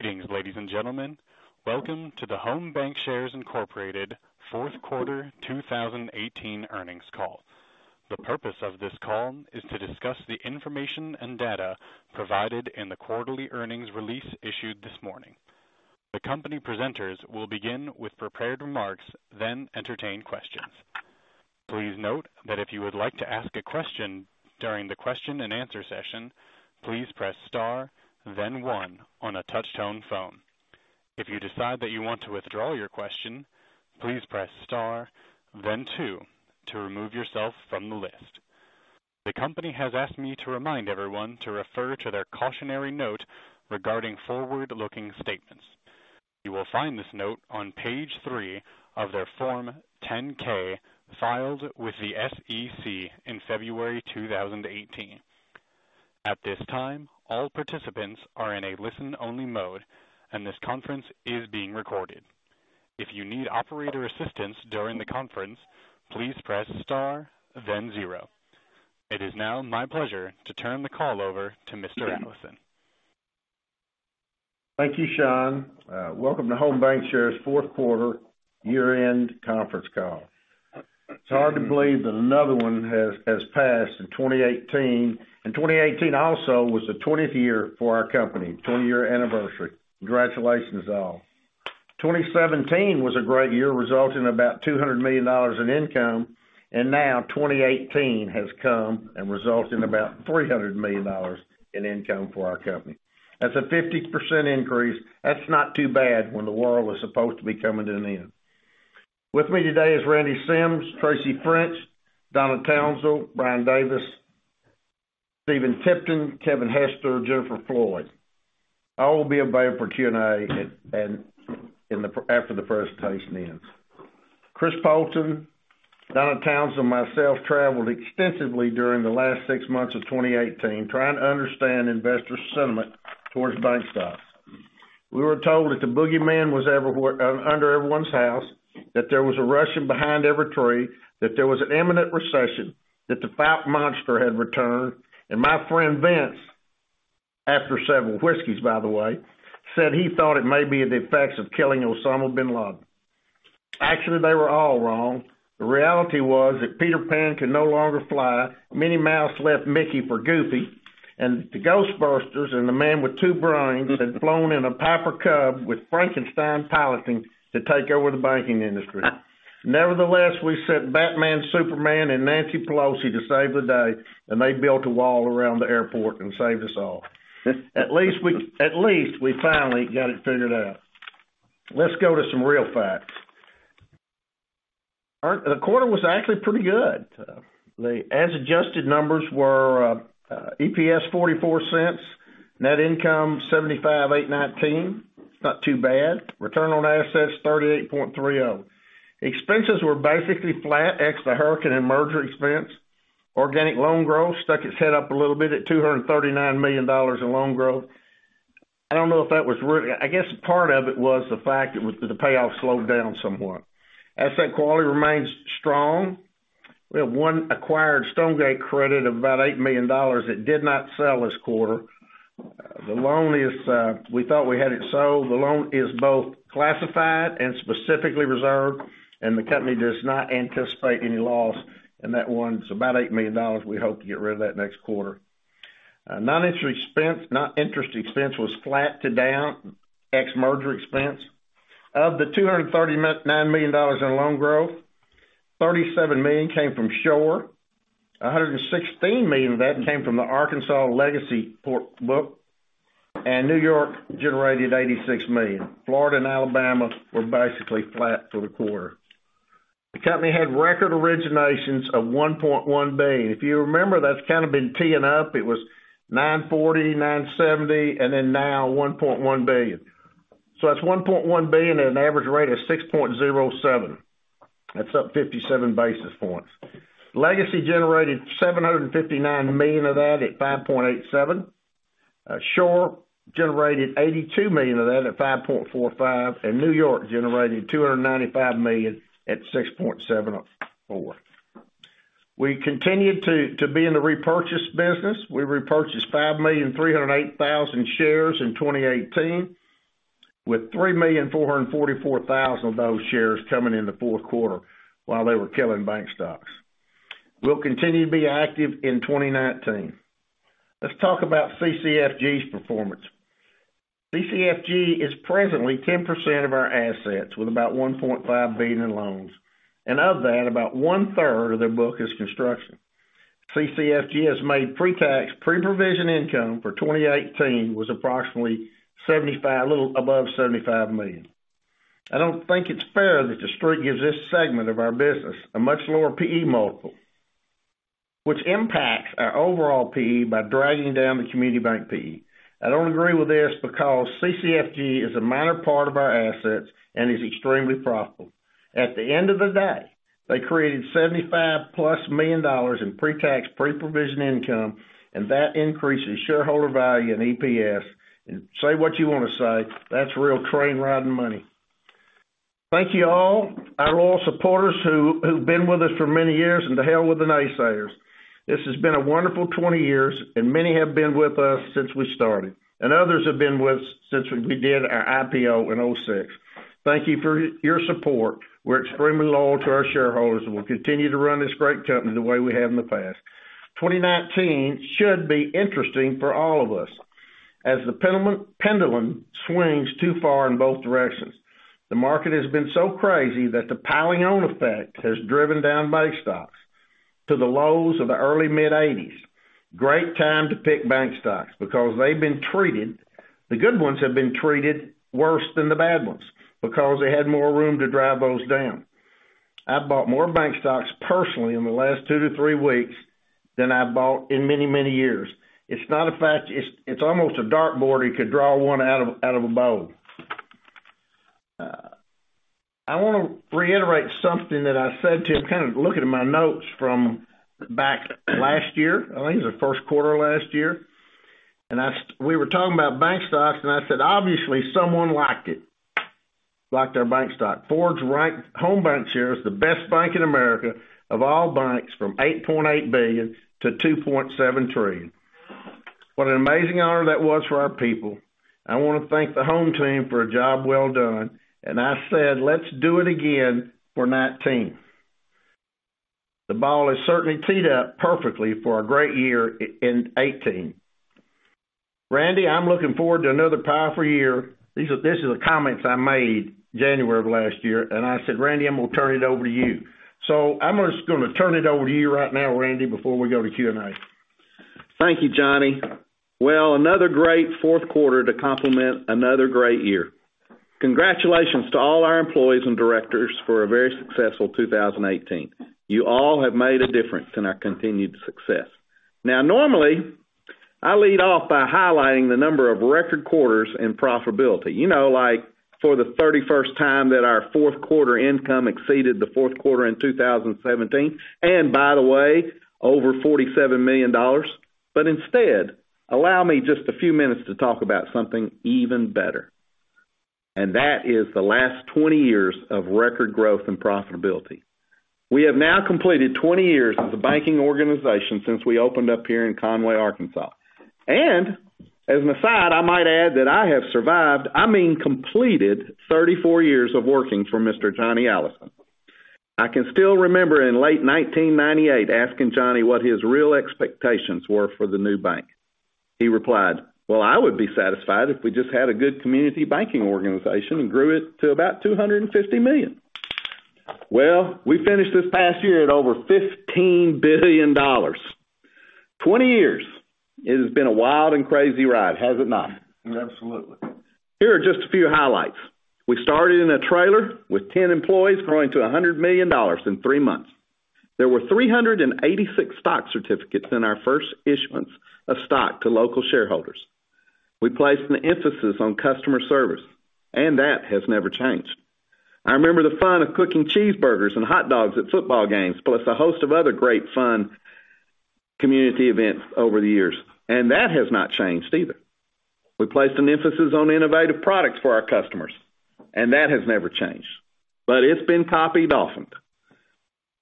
Greetings, ladies and gentlemen. Welcome to the Home Bancshares, Inc. fourth quarter 2018 earnings call. The purpose of this call is to discuss the information and data provided in the quarterly earnings release issued this morning. The company presenters will begin with prepared remarks, then entertain questions. Please note that if you would like to ask a question during the question and answer session, please press star then one on a touch-tone phone. If you decide that you want to withdraw your question, please press star then two to remove yourself from the list. The company has asked me to remind everyone to refer to their cautionary note regarding forward-looking statements. You will find this note on page three of their Form 10-K filed with the SEC in February 2018. At this time, all participants are in a listen-only mode, and this conference is being recorded. If you need operator assistance during the conference, please press star then zero. It is now my pleasure to turn the call over to Mr. Allison. Thank you, Sean. Welcome to Home Bancshares' fourth quarter, year-end conference call. It is hard to believe that another one has passed in 2018, and 2018 also was the 20th year for our company, 20-year anniversary. Congratulations, all. 2017 was a great year, resulting in about $200 million in income, and now 2018 has come and resulted in about $300 million in income for our company. That is a 50% increase. That is not too bad when the world was supposed to be coming to an end. With me today is Randy Sims, Tracy French, Donna Townsell, Brian Davis, Stephen Tipton, Kevin Hester, Jennifer Floyd. I will be available for Q&A after the presentation ends. Chris Poulton, Donna Townsell, and myself traveled extensively during the last six months of 2018, trying to understand investor sentiment towards bank stocks. We were told that the boogeyman was under everyone's house, that there was a Russian behind every tree, that there was an imminent recession, that the flat monster had returned, and my friend Vince, after several whiskeys, by the way, said he thought it may be the effects of killing Osama bin Laden. Actually, they were all wrong. The reality was that Peter Pan could no longer fly, Minnie Mouse left Mickey for Goofy, and the Ghostbusters and the man with two brains had flown in a Piper Cub with Frankenstein piloting to take over the banking industry. Nevertheless, we sent Batman, Superman, and Nancy Pelosi to save the day, and they built a wall around the airport and saved us all. At least we finally got it figured out. Let us go to some real facts. The quarter was actually pretty good. The as-adjusted numbers were EPS $0.44, net income $75,819. It's not too bad. Return on assets, 38.30%. Expenses were basically flat, ex the hurricane and merger expense. Organic loan growth stuck its head up a little bit at $239 million in loan growth. I guess part of it was the fact that the payoffs slowed down somewhat. Asset quality remains strong. We have one acquired Stonegate Bank credit of about $8 million that did not sell this quarter. We thought we had it sold. The loan is both classified and specifically reserved, and the company does not anticipate any loss in that one. It's about $8 million. We hope to get rid of that next quarter. Non-interest expense was flat to down, ex merger expense. Of the $239 million in loan growth, $37 million came from Shore Premier Finance. $116 million of that came from the Arkansas Legacy book. New York generated $86 million. Florida and Alabama were basically flat for the quarter. The company had record originations of $1.1 billion. If you remember, that's kind of been teeing up. It was $940 million, $970 million, and now $1.1 billion. That's $1.1 billion at an average rate of 6.07%. That's up 57 basis points. Legacy generated $759 million of that at 5.87%. Shore Premier Finance generated $82 million of that at 5.45%, and New York generated $295 million at 6.74%. We continued to be in the repurchase business. We repurchased 5,308,000 shares in 2018, with 3,444,000 of those shares coming in the fourth quarter while they were killing bank stocks. We'll continue to be active in 2019. Let's talk about CCFG's performance. CCFG is presently 10% of our assets, with about $1.5 billion in loans. Of that, about one-third of their book is construction. CCFG has made pretax, preprovision income for 2018 was approximately a little above $75 million. I don't think it's fair that The Street gives this segment of our business a much lower P/E multiple, which impacts our overall P/E by dragging down the community bank P/E. I don't agree with this because CCFG is a minor part of our assets and is extremely profitable. At the end of the day, they created $75-plus million in pretax, preprovision income, and that increases shareholder value and EPS. Say what you want to say, that's real train-riding money. Thank you all, our loyal supporters who've been with us for many years, and the hell with the naysayers. This has been a wonderful 20 years, and many have been with us since we started, and others have been with us since we did our IPO in 2006. Thank you for your support. We're extremely loyal to our shareholders, and we'll continue to run this great company the way we have in the past. 2019 should be interesting for all of us, as the pendulum swings too far in both directions. The market has been so crazy that the piling on effect has driven down bank stocks to the lows of the early mid-1980s. Great time to pick bank stocks, because the good ones have been treated worse than the bad ones because they had more room to drive those down. I've bought more bank stocks personally in the last two to three weeks than I've bought in many years. It's almost a dartboard, you could draw one out of a bowl. I want to reiterate something that I said too, kind of looking at my notes from back last year. I think it was the first quarter of last year. We were talking about bank stocks, and I said, "Obviously, someone liked it, liked our bank stock." Forbes ranked Home Bancshares the best bank in America of all banks from $8.8 billion to $2.7 trillion. What an amazing honor that was for our people. I want to thank the home team for a job well done. I said, "Let's do it again for 2019." The ball is certainly teed up perfectly for a great year in 2018. Randy, I am looking forward to another powerful year. This is the comments I made January of last year, and I said, "Randy, I am going to turn it over to you." I am just going to turn it over to you right now, Randy, before we go to Q&A. Thank you, Johnny. Well, another great fourth quarter to complement another great year. Congratulations to all our employees and directors for a very successful 2018. You all have made a difference in our continued success. Normally, I lead off by highlighting the number of record quarters and profitability. Like for the 31st time that our fourth quarter income exceeded the fourth quarter in 2017, and by the way, over $47 million. Instead, allow me just a few minutes to talk about something even better, and that is the last 20 years of record growth and profitability. We have now completed 20 years as a banking organization since we opened up here in Conway, Arkansas. As an aside, I might add that I have survived, I mean, completed 34 years of working for Mr. Johnny Allison. I can still remember in late 1998 asking Johnny what his real expectations were for the new bank. He replied, "Well, I would be satisfied if we just had a good community banking organization and grew it to about $250 million." Well, we finished this past year at over $15 billion. 20 years. It has been a wild and crazy ride, has it not? Absolutely. Here are just a few highlights. We started in a trailer with 10 employees growing to $100 million in three months. There were 386 stock certificates in our first issuance of stock to local shareholders. We placed an emphasis on customer service. That has never changed. I remember the fun of cooking cheeseburgers and hot dogs at football games, plus a host of other great fun community events over the years. That has not changed either. We placed an emphasis on innovative products for our customers. That has never changed. It has been copied often.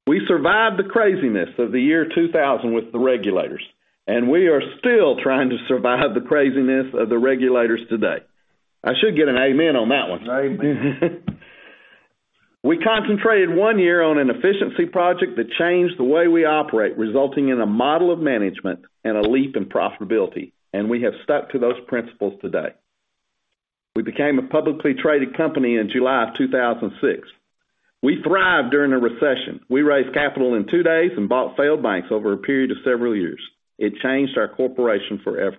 We survived the craziness of the year 2000 with the regulators. We are still trying to survive the craziness of the regulators today. I should get an amen on that one. Amen. We concentrated one year on an efficiency project that changed the way we operate, resulting in a model of management and a leap in profitability, and we have stuck to those principles today. We became a publicly traded company in July of 2006. We thrived during the recession. We raised capital in two days and bought failed banks over a period of several years. It changed our corporation forever.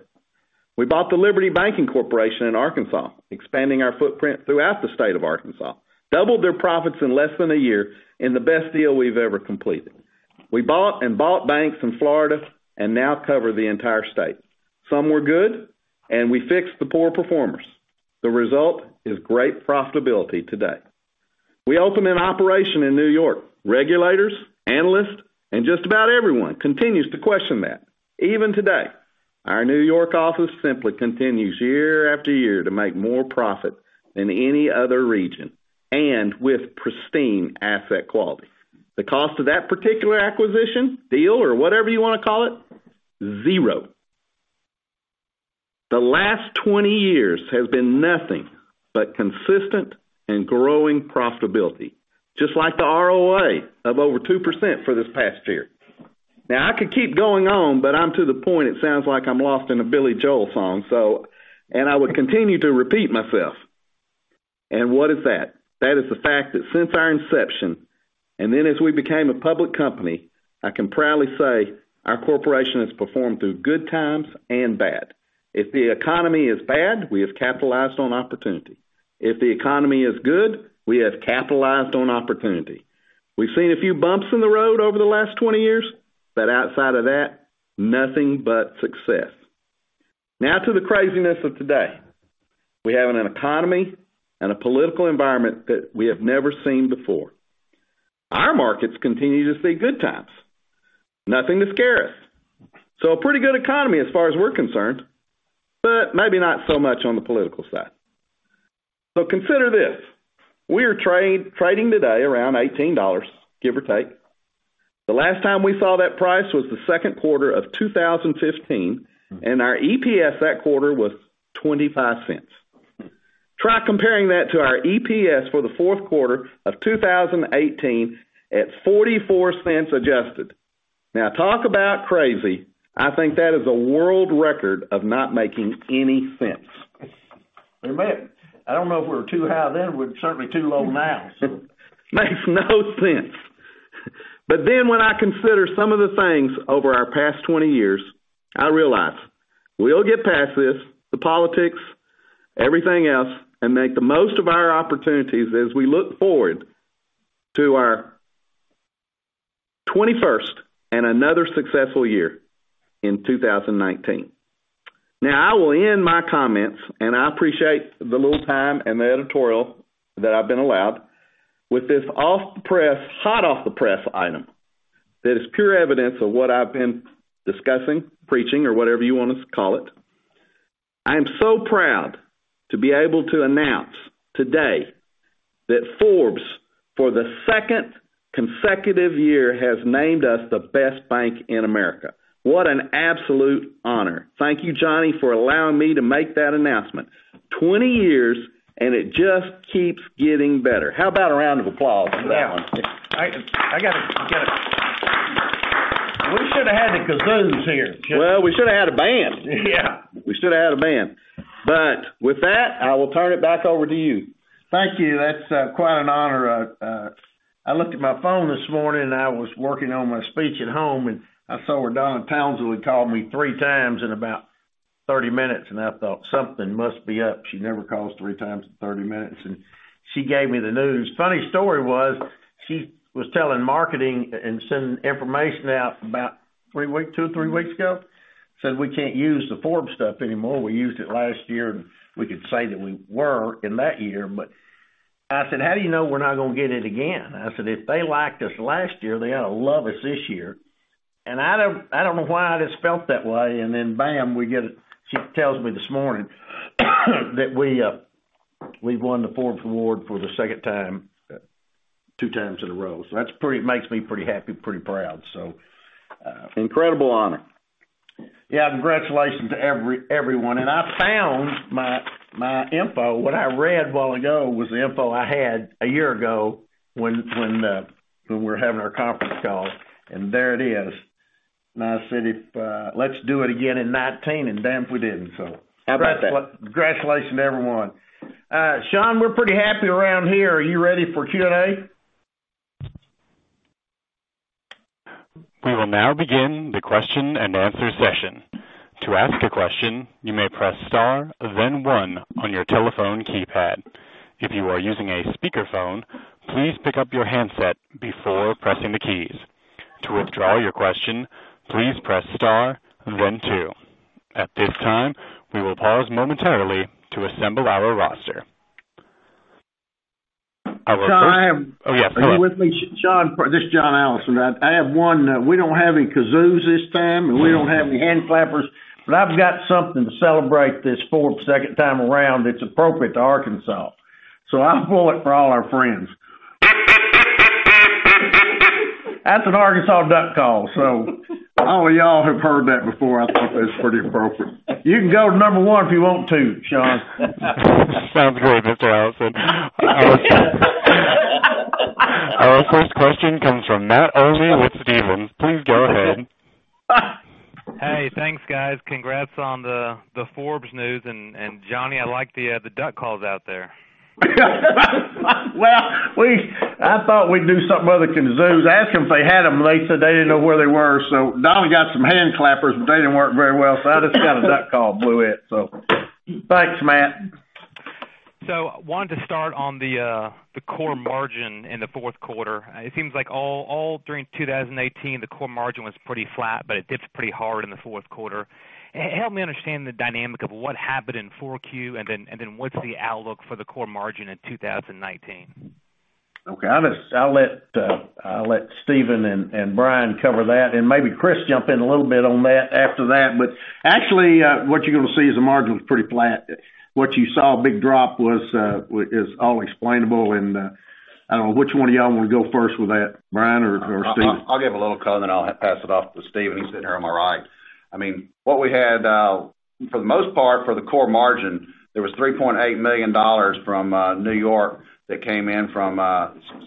We bought the Liberty Bancshares, Inc. in Arkansas, expanding our footprint throughout the state of Arkansas, doubled their profits in less than a year, in the best deal we've ever completed. We bought and bought banks in Florida and now cover the entire state. Some were good, and we fixed the poor performers. The result is great profitability today. We opened an operation in New York. Regulators, analysts, and just about everyone continues to question that, even today. Our New York office simply continues year after year to make more profit than any other region, and with pristine asset quality. The cost of that particular acquisition, deal, or whatever you want to call it, zero. The last 20 years has been nothing but consistent and growing profitability, just like the ROA of over 2% for this past year. I could keep going on, but I'm to the point it sounds like I'm lost in a Billy Joel song, and I would continue to repeat myself. What is that? That is the fact that since our inception, and then as we became a public company, I can proudly say our corporation has performed through good times and bad. If the economy is bad, we have capitalized on opportunity. If the economy is good, we have capitalized on opportunity. We've seen a few bumps in the road over the last 20 years, but outside of that, nothing but success. To the craziness of today. We have an economy and a political environment that we have never seen before. Our markets continue to see good times. Nothing to scare us. A pretty good economy as far as we're concerned, but maybe not so much on the political side. Consider this, we are trading today around $18, give or take. The last time we saw that price was the second quarter of 2015, and our EPS that quarter was $0.25. Try comparing that to our EPS for the fourth quarter of 2018 at $0.44 adjusted. Talk about crazy. I think that is a world record of not making any sense. Wait a minute. I don't know if we were too high then, we're certainly too low now, so. Makes no sense. When I consider some of the things over our past 20 years, I realize we'll get past this, the politics, everything else, and make the most of our opportunities as we look forward to our 21st, and another successful year in 2019. I will end my comments, and I appreciate the little time and the editorial that I've been allowed, with this off the press, hot off the press item that is pure evidence of what I've been discussing, preaching, or whatever you want to call it. I am so proud to be able to announce today that Forbes, for the second consecutive year, has named us the best bank in America. What an absolute honor. Thank you, Johnny, for allowing me to make that announcement. 20 years, and it just keeps getting better. How about a round of applause on that one? Yeah. We should have had the kazoos here. We should have had a band. Yeah. We should have had a band. With that, I will turn it back over to you. Thank you. That's quite an honor. I looked at my phone this morning, and I was working on my speech at home, and I saw where Donna Townsell called me three times in about 30 minutes, and I thought, "Something must be up. She never calls three times in 30 minutes." She gave me the news. Funny story was, she was telling marketing and sending information out about two or three weeks ago, said we can't use the Forbes stuff anymore. We used it last year, and we could say that we were in that year, but I said, "How do you know we're not going to get it again?" I said, "If they liked us last year, they ought to love us this year." I don't know why I just felt that way, then bam, she tells me this morning, that we've won the Forbes Award for the second time, two times in a row. That makes me pretty happy, pretty proud. Incredible honor. Yeah, congratulations to everyone. I found my info. What I read a while ago was the info I had a year ago when we were having our conference call, and there it is. I said, "Let's do it again in 2019," and damn if we didn't. How about that? Congratulations, everyone. Sean, we're pretty happy around here. Are you ready for Q&A? We will now begin the question and answer session. To ask a question, you may press star one on your telephone keypad. If you are using a speakerphone, please pick up your handset before pressing the keys. To withdraw your question, please press star two. At this time, we will pause momentarily to assemble our roster. Our first. Sean, I have- Oh, yes. Go ahead. Are you with me, Sean? This is John Allison. I have one. We don't have any kazoos this time, and we don't have any hand clappers, but I've got something to celebrate this Forbes second time around. It's appropriate to Arkansas. I'll blow it for all our friends. That's an Arkansas duck call. All of y'all have heard that before. I thought that was pretty appropriate. You can go to number one if you want to, Sean. Sounds great, Mr. Allison. Our first question comes from Matt Olney with Stephens. Please go ahead. Hey, thanks, guys. Congrats on the Forbes news. Johnny, I like the duck calls out there. Well, I thought we'd do something other than kazoos. I asked them if they had them. They said they didn't know where they were. Donna got some hand clappers, but they didn't work very well, I just got a duck call, blew it. Thanks, Matt. Wanted to start on the core margin in the fourth quarter. It seems like all during 2018, the core margin was pretty flat, but it dips pretty hard in the fourth quarter. Help me understand the dynamic of what happened in 4Q, what's the outlook for the core margin in 2019? Okay. I'll let Stephen and Brian cover that, maybe Chris jump in a little bit on that after that. Actually, what you're going to see is the margin's pretty flat. What you saw a big drop is all explainable, I don't know which one of y'all want to go first with that, Brian or Stephen? I'll give a little color, then I'll pass it off to Stephen. He's sitting here on my right. What we had, for the most part, for the core margin, there was $3.8 million from New York that came in from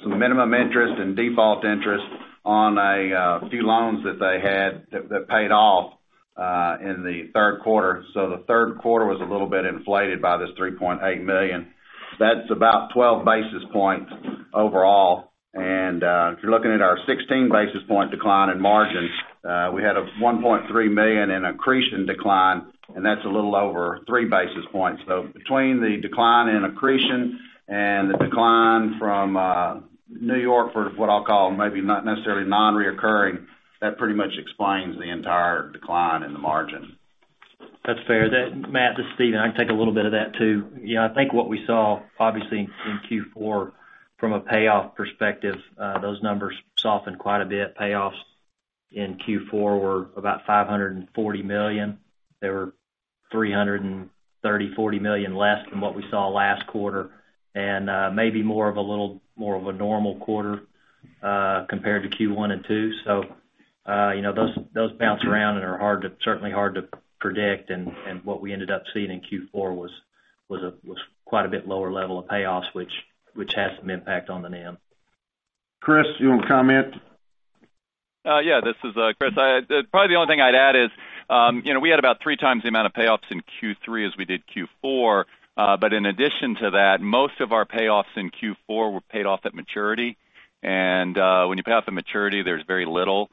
some minimum interest and default interest on a few loans that they had that paid off in the third quarter. The third quarter was a little bit inflated by this $3.8 million. That's about 12 basis points overall. If you're looking at our 16 basis point decline in margins, we had a $1.3 million in accretion decline, and that's a little over three basis points. Between the decline in accretion and the decline from New York for what I'll call maybe not necessarily non-recurring, that pretty much explains the entire decline in the margin. That's fair. Matt, this is Stephen. I can take a little bit of that too. I think what we saw, obviously, in Q4 from a payoff perspective, those numbers softened quite a bit. Payoffs in Q4 were about $540 million. They were $330, 40 million less than what we saw last quarter and maybe more of a normal quarter compared to Q1 and Q2. Those bounce around and are certainly hard to predict. What we ended up seeing in Q4 was quite a bit lower level of payoffs, which has some impact on the NIM. Chris, you want to comment? Yeah. This is Chris. Probably the only thing I'd add is we had about three times the amount of payoffs in Q3 as we did Q4. In addition to that, most of our payoffs in Q4 were paid off at maturity. When you pay off at maturity, there's very little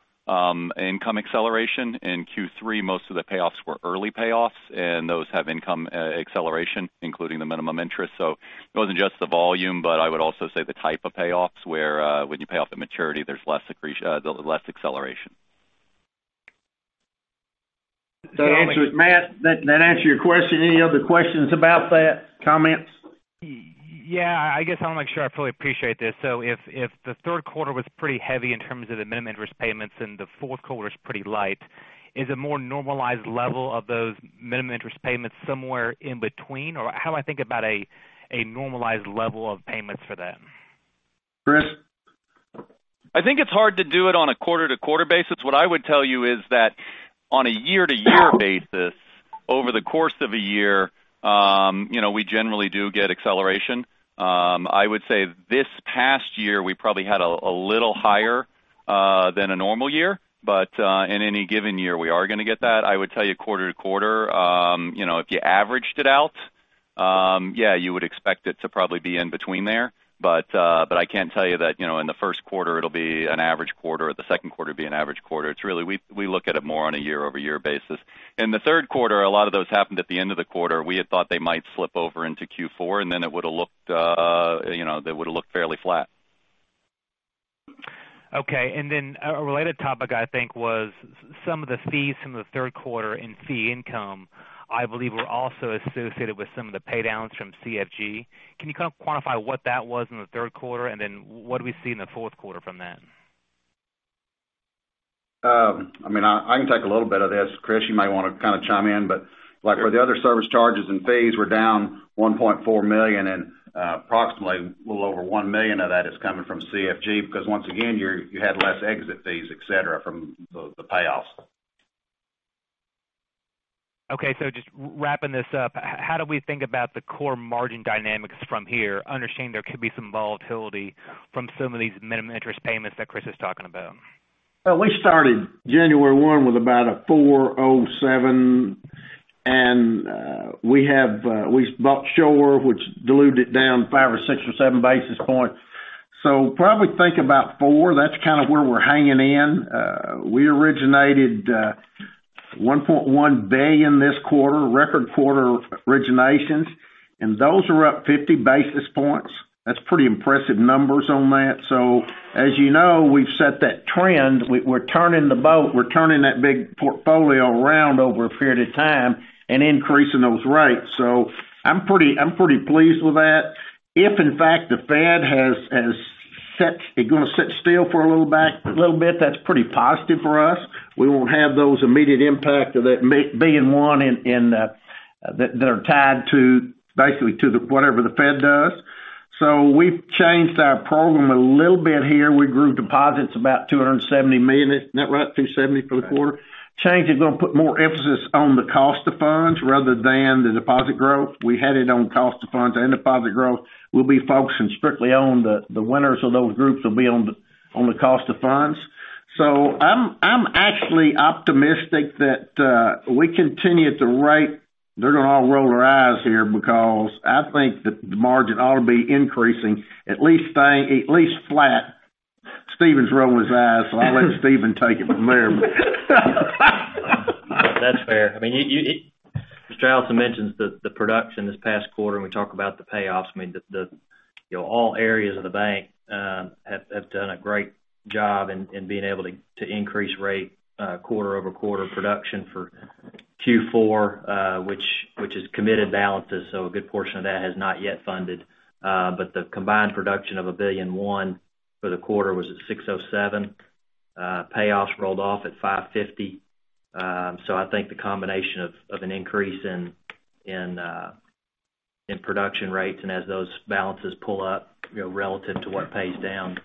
income acceleration. In Q3, most of the payoffs were early payoffs, and those have income acceleration, including the minimum interest. It wasn't just the volume, but I would also say the type of payoffs, where when you pay off the maturity, there's less acceleration. Does that answer it, Matt? That answer your question? Any other questions about that? Comments? Yeah. I guess I'm not sure I fully appreciate this. If the third quarter was pretty heavy in terms of the minimum interest payments and the fourth quarter is pretty light, is a more normalized level of those minimum interest payments somewhere in between? How do I think about a normalized level of payments for that? Chris? I think it's hard to do it on a quarter-to-quarter basis. What I would tell you is that on a year-to-year basis, over the course of a year, we generally do get acceleration. I would say this past year, we probably had a little higher than a normal year. In any given year, we are going to get that. I would tell you quarter-to-quarter, if you averaged it out, you would expect it to probably be in between there. I can't tell you that in the first quarter it'll be an average quarter, the second quarter it'll be an average quarter. We look at it more on a year-over-year basis. In the third quarter, a lot of those happened at the end of the quarter. We had thought they might slip over into Q4, it would've looked fairly flat. Okay. A related topic, I think, was some of the fees from the third quarter in fee income, I believe, were also associated with some of the pay downs from CCFG. Can you kind of quantify what that was in the third quarter, what do we see in the fourth quarter from that? I can take a little bit of this. Chris, you might want to chime in. For the other service charges and fees, we're down $1.4 million, and approximately a little over $1 million of that is coming from CCFG, because once again, you had less exit fees, et cetera, from the payoffs. Just wrapping this up, how do we think about the core margin dynamics from here, understanding there could be some volatility from some of these minimum interest payments that Chris was talking about? We started January 1 with about a 407, and we bought Shore, which diluted down five or six or seven basis points. Probably think about four. That's kind of where we're hanging in. We originated $1.1 billion this quarter, record quarter originations, and those are up 50 basis points. That's pretty impressive numbers on that. As you know, we've set that trend. We're turning the boat, we're turning that big portfolio around over a period of time and increasing those rates. I'm pretty pleased with that. If, in fact, the Fed is going to sit still for a little bit, that's pretty positive for us. We won't have those immediate impact of that billion one that are tied, basically, to whatever the Fed does. We've changed our program a little bit here. We grew deposits about $270 million. Isn't that right? $270 for the quarter. Change is going to put more emphasis on the cost of funds rather than the deposit growth. We had it on cost of funds and deposit growth. We'll be focusing strictly on the winners of those groups will be on the cost of funds. I'm actually optimistic that we continue at the rate. They're going to all roll their eyes here because I think that the margin ought to be increasing at least flat. Stephen's rolling his eyes, I'll let Stephen take it from there. That's fair. As Charles mentioned, the production this past quarter, when we talk about the payoffs, all areas of the bank have done a great job in being able to increase rate quarter-over-quarter production for Q4 which is committed balances. A good portion of that has not yet funded. The combined production of $1.1 billion for the quarter was at $607 million. Payoffs rolled off at $550 million. I think the combination of an increase in production rates and as those balances pull up, relative to what pays down,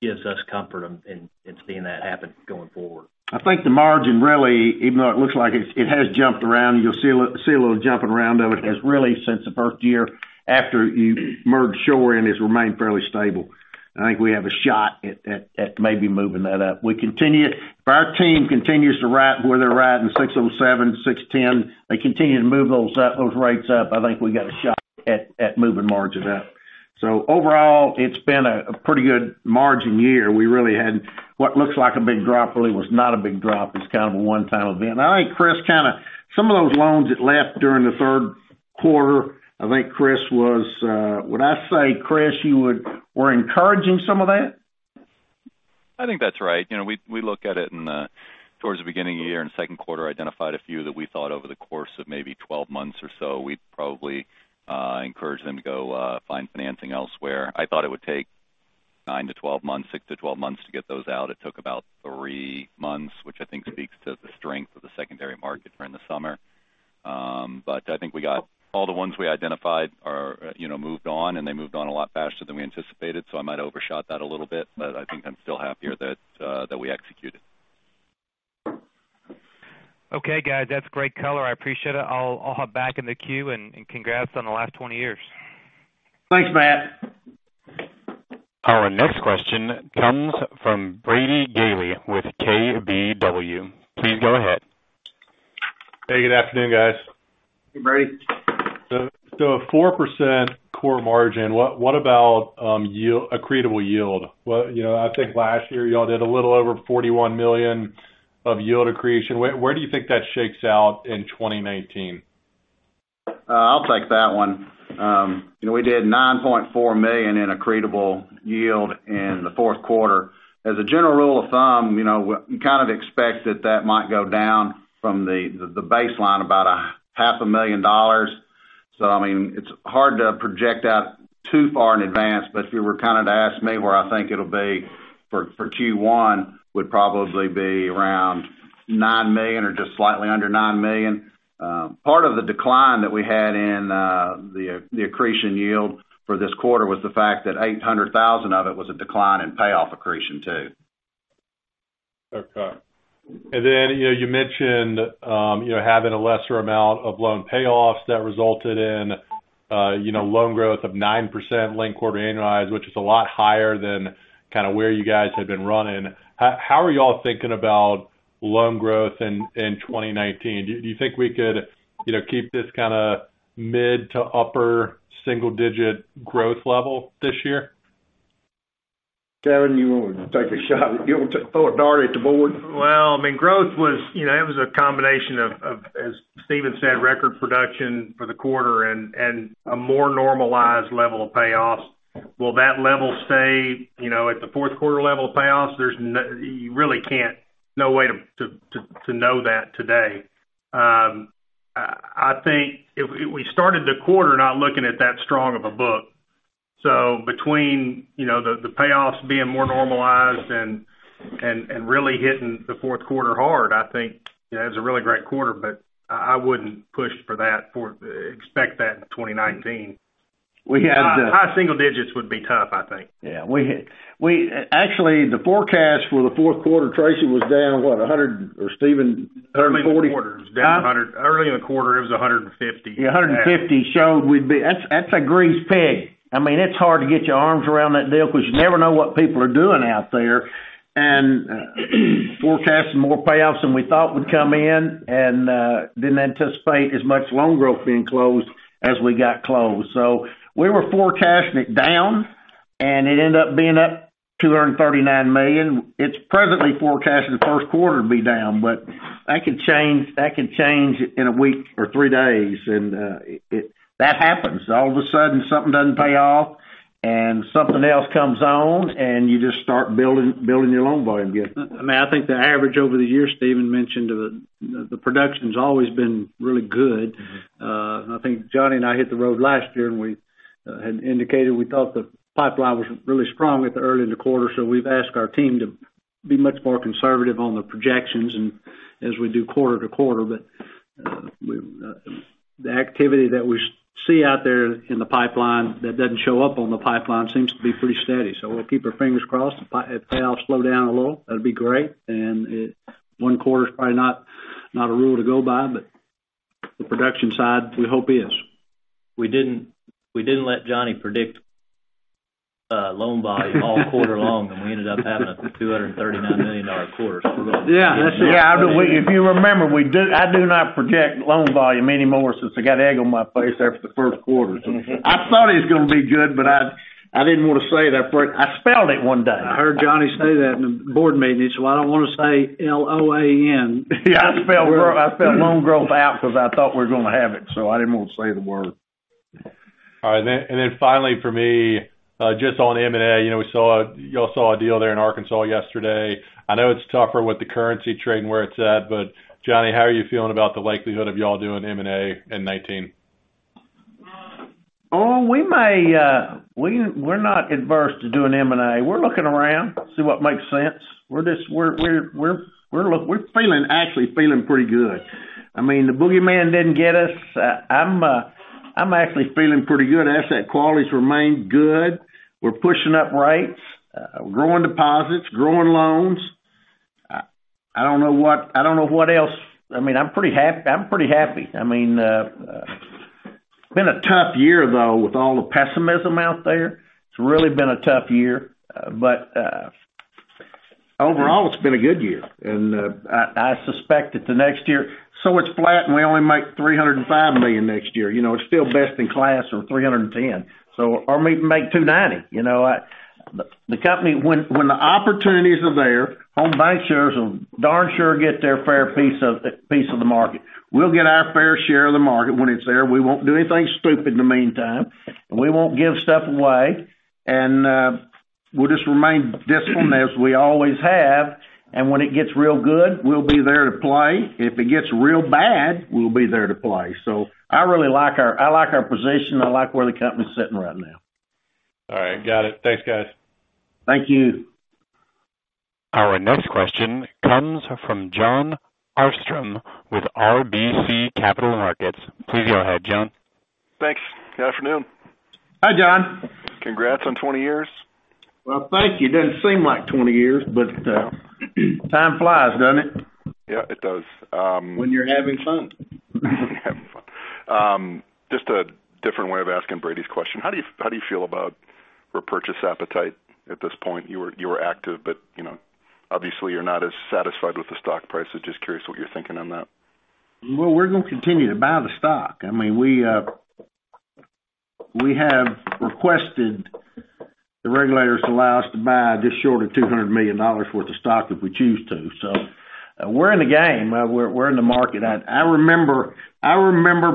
gives us comfort in seeing that happen going forward. I think the margin really, even though it looks like it has jumped around, you'll see a little jumping around of it, has really, since the first year after you merged Shore in, has remained fairly stable. I think we have a shot at maybe moving that up. If our team continues to ride where they're riding, 6.07%, 6.10%, they continue to move those rates up, I think we got a shot at moving margins up. Overall, it's been a pretty good margin year. We really had what looks like a big drop, really was not a big drop. It's kind of a one-time event. I think, Chris, some of those loans that left during the third quarter, would I say, Chris, you were encouraging some of that? I think that's right. We look at it towards the beginning of the year, in the second quarter, identified a few that we thought over the course of maybe 12 months or so, we'd probably encourage them to go find financing elsewhere. I thought it would take nine to 12 months, six to 12 months to get those out. It took about three months, which I think speaks to the strength of the secondary market during the summer. I think we got all the ones we identified are moved on, and they moved on a lot faster than we anticipated. I might have overshot that a little bit, but I think I'm still happier that we executed. Okay, guys. That's great color. I appreciate it. I'll hop back in the queue. Congrats on the last 20 years. Thanks, Matt. Our next question comes from Brady Gailey with KBW. Please go ahead. Hey, good afternoon, guys. Hey, Brady. 4% core margin, what about accretable yield? I think last year, y'all did a little over $41 million of yield accretion. Where do you think that shakes out in 2019? I'll take that one. We did $9.4 million in accretable yield in the fourth quarter. As a general rule of thumb, you kind of expect that that might go down from the baseline about a half a million dollars. I mean, it's hard to project out too far in advance, but if you were to ask me where I think it'll be for Q1, would probably be around $9 million or just slightly under $9 million. Part of the decline that we had in the accretion yield for this quarter was the fact that $800,000 of it was a decline in payoff accretion, too. Okay. Then, you mentioned having a lesser amount of loan payoffs that resulted in loan growth of 9% linked quarter annualized, which is a lot higher than kind of where you guys have been running. How are you all thinking about loan growth in 2019? Do you think we could keep this kind of mid to upper single-digit growth level this year? Kevin, you want to take a shot? You want to throw a dart at the board? Well, growth, it was a combination of, as Stephen said, record production for the quarter and a more normalized level of payoffs. Will that level stay at the fourth quarter level of payoffs? There's no way to know that today. I think we started the quarter not looking at that strong of a book. Between the payoffs being more normalized and really hitting the fourth quarter hard, I think it was a really great quarter, but I wouldn't push for that, expect that in 2019. We had- High single digits would be tough, I think. Yeah. Actually, the forecast for the fourth quarter, Tracy, was down, what? 100, or Stephen, 140? Early in the quarter, it was down 100. Early in the quarter, it was 150. Yeah, 150 showed we'd be That's a greased pig. I mean, it's hard to get your arms around that deal because you never know what people are doing out there, and forecasting more payoffs than we thought would come in, and didn't anticipate as much loan growth being closed as we got closed. We were forecasting it down, and it ended up being up $239 million. It's presently forecasting the first quarter to be down, that could change in a week or three days, and that happens. All of a sudden, something doesn't pay off, something else comes on, and you just start building your loan volume again. I think the average over the years, Stephen mentioned, the production's always been really good. I think Johnny and I hit the road last year, we had indicated we thought the pipeline was really strong early in the quarter, we've asked our team to be much more conservative on the projections and as we do quarter to quarter. The activity that we see out there in the pipeline that doesn't show up on the pipeline seems to be pretty steady. We'll keep our fingers crossed. If payoffs slow down a little, that'd be great, one quarter is probably not a rule to go by, the production side, we hope is. We didn't let Johnny predict loan volume all quarter long, we ended up having a $239 million quarter. Yeah. Yeah. If you remember, I do not project loan volume anymore since I got egg on my face after the first quarter. I thought it was going to be good, but I did not want to say that. I spelled it one day. I heard Johnny say that in a board meeting. He said, "Well, I do not want to say L-O-A-N. Yeah, I spelled loan growth out because I thought we were going to have it. I did not want to say the word. All right. Finally for me, just on M&A, you all saw a deal there in Arkansas yesterday. I know it is tougher with the currency trading where it is at, but Johnny, how are you feeling about the likelihood of you all doing M&A in 2019? We're not adverse to doing M&A. We're looking around, see what makes sense. We're actually feeling pretty good. The boogeyman didn't get us. I'm actually feeling pretty good. Asset quality's remained good. We're pushing up rates, growing deposits, growing loans. I don't know what else. I'm pretty happy. It's been a tough year, though, with all the pessimism out there. It's really been a tough year. Overall, it's been a good year, and I suspect that the next year, so it's flat and we only make $305 million next year, it's still best in class from $310. Or maybe make $290. The company, when the opportunities are there, Home Bancshares will darn sure get their fair piece of the market. We'll get our fair share of the market when it's there. We won't do anything stupid in the meantime, and we won't give stuff away. We'll just remain disciplined as we always have, and when it gets real good, we'll be there to play. If it gets real bad, we'll be there to play. I really like our position. I like where the company's sitting right now. All right. Got it. Thanks, guys. Thank you. Our next question comes from Jon Arfstrom with RBC Capital Markets. Please go ahead, Jon. Thanks. Good afternoon. Hi, Jon. Congrats on 20 years. Well, thank you. Doesn't seem like 20 years, but time flies, doesn't it? Yeah, it does. When you're having fun. When you're having fun. Just a different way of asking Brady's question. How do you feel about repurchase appetite at this point? You were active, but obviously you're not as satisfied with the stock price, just curious what you're thinking on that. Well, we're going to continue to buy the stock. We have requested the regulators allow us to buy just short of $200 million worth of stock if we choose to. We're in the game. We're in the market. I remember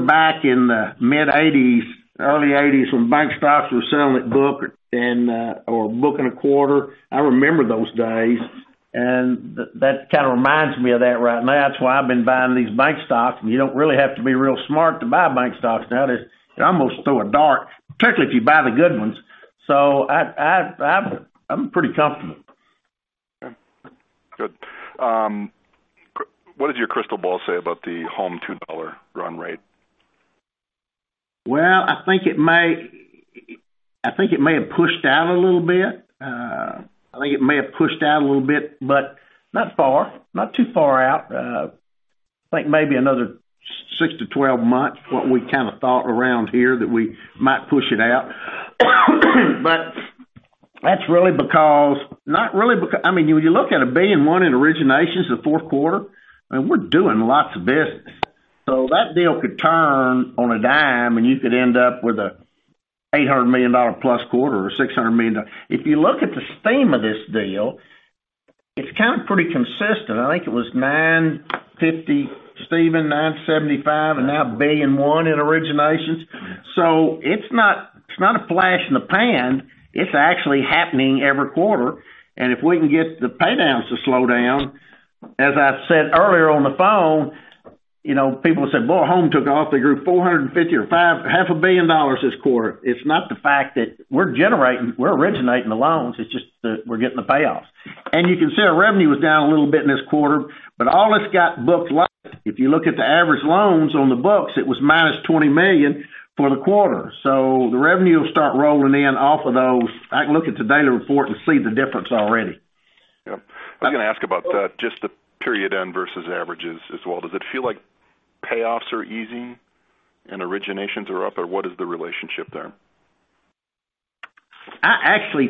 back in the mid-1980s, early 1980s, when bank stocks were selling at book, or book and a quarter. I remember those days, that kind of reminds me of that right now. That's why I've been buying these bank stocks. You don't really have to be real smart to buy bank stocks now. You can almost throw a dart, particularly if you buy the good ones. I'm pretty comfortable. Okay, good. What does your crystal ball say about the Home $2 run rate? Well, I think it may have pushed out a little bit. I think it may have pushed out a little bit, but not far, not too far out. I think maybe another six to 12 months, what we kind of thought around here that we might push it out. That's really because I mean, when you look at a billion and one in originations the fourth quarter, we're doing lots of business. That deal could turn on a dime, and you could end up with an $800 million plus quarter or $600 million. If you look at the steam of this deal, it's kind of pretty consistent. I think it was 950, Stephen, 975, now a billion and one in originations. It's actually happening every quarter. If we can get the pay downs to slow down, as I said earlier on the phone, people have said, "Boy, Home took off. They grew $450 or $500,000,000 this quarter." It's not the fact that we're generating, we're originating the loans, it's just that we're getting the payoffs. You can see our revenue was down a little bit in this quarter, but all it's got booked last. If you look at the average loans on the books, it was minus $20 million for the quarter. The revenue will start rolling in off of those. I can look at the daily report and see the difference already. Yep. I was going to ask about that, just the period end versus averages as well. Does it feel like payoffs are easing and originations are up, or what is the relationship there? I actually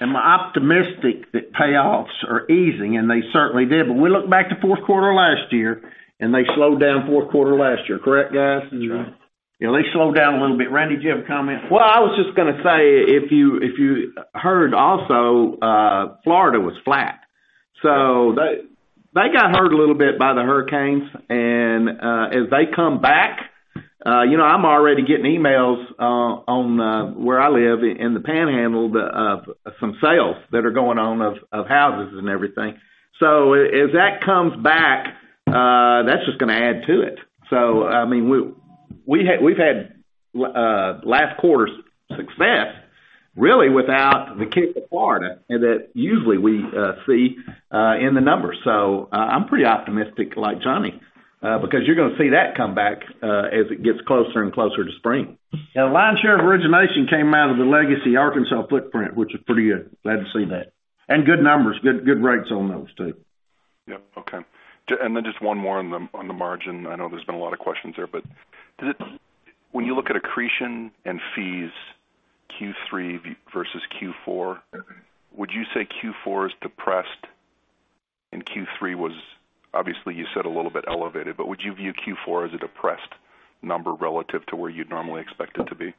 am optimistic that payoffs are easing, and they certainly did. We look back to fourth quarter last year, and they slowed down fourth quarter last year. Correct, guys? That's right. Yeah, they slowed down a little bit. Randy, do you have a comment? Well, I was just going to say, if you heard also, Florida was flat. They got hurt a little bit by the hurricanes, and as they come back, I'm already getting emails on where I live in the Panhandle of some sales that are going on of houses and everything. As that comes back, that's just going to add to it. We've had last quarter's success really without the kick of Florida, and that usually we see in the numbers. I'm pretty optimistic like Johnny, because you're going to see that come back as it gets closer and closer to spring. Yeah. Lion's Share Origination came out of the legacy Arkansas footprint, which is pretty good. Glad to see that. Good numbers, good rates on those, too. Yep. Okay. Then just one more on the margin. I know there's been a lot of questions there, when you look at accretion and fees, Q3 versus Q4, would you say Q4 is depressed and Q3 was, obviously, you said a little bit elevated, would you view Q4 as a depressed number relative to where you'd normally expect it to be?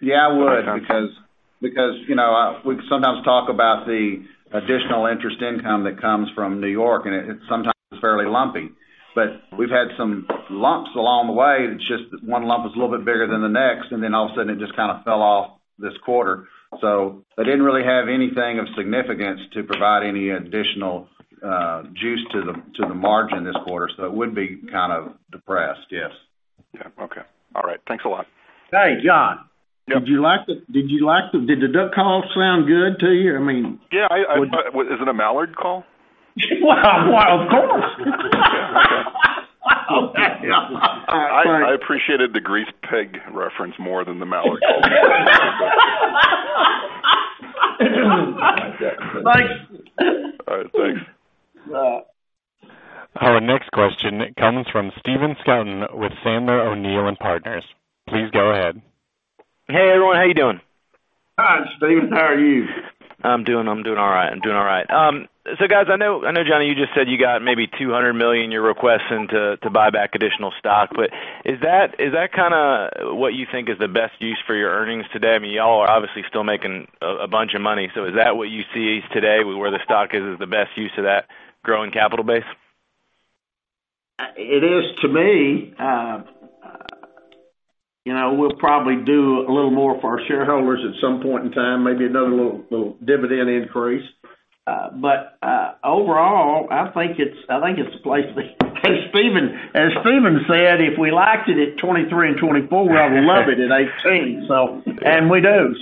Yeah, I would because we sometimes talk about the additional interest income that comes from New York, and it sometimes is fairly lumpy. We've had some lumps along the way. It's just that one lump is a little bit bigger than the next, and then all of a sudden, it just kind of fell off this quarter. They didn't really have anything of significance to provide any additional juice to the margin this quarter, so it would be kind of depressed, yes. Okay. All right. Thanks a lot. Hey, John. Yep. Did the duck call sound good to you? Yeah. Is it a mallard call? Well, of course. I appreciated the grease pig reference more than the mallard call. All right, thanks. You're welcome. Our next question comes from Stephen Scouten with Sandler O'Neill & Partners. Please go ahead. Hey, everyone. How you doing? Hi, Stephen. How are you? I'm doing all right. Guys, I know, Johnny, you just said you got maybe $200 million you're requesting to buy back additional stock. Is that kind of what you think is the best use for your earnings today? You all are obviously still making a bunch of money, is that what you see today with where the stock is the best use of that growing capital base? It is to me. We'll probably do a little more for our shareholders at some point in time, maybe another little dividend increase. Overall, I think it's a place. As Stephen said, if we liked it at 23 and 24, we'll love it at 18. And we do.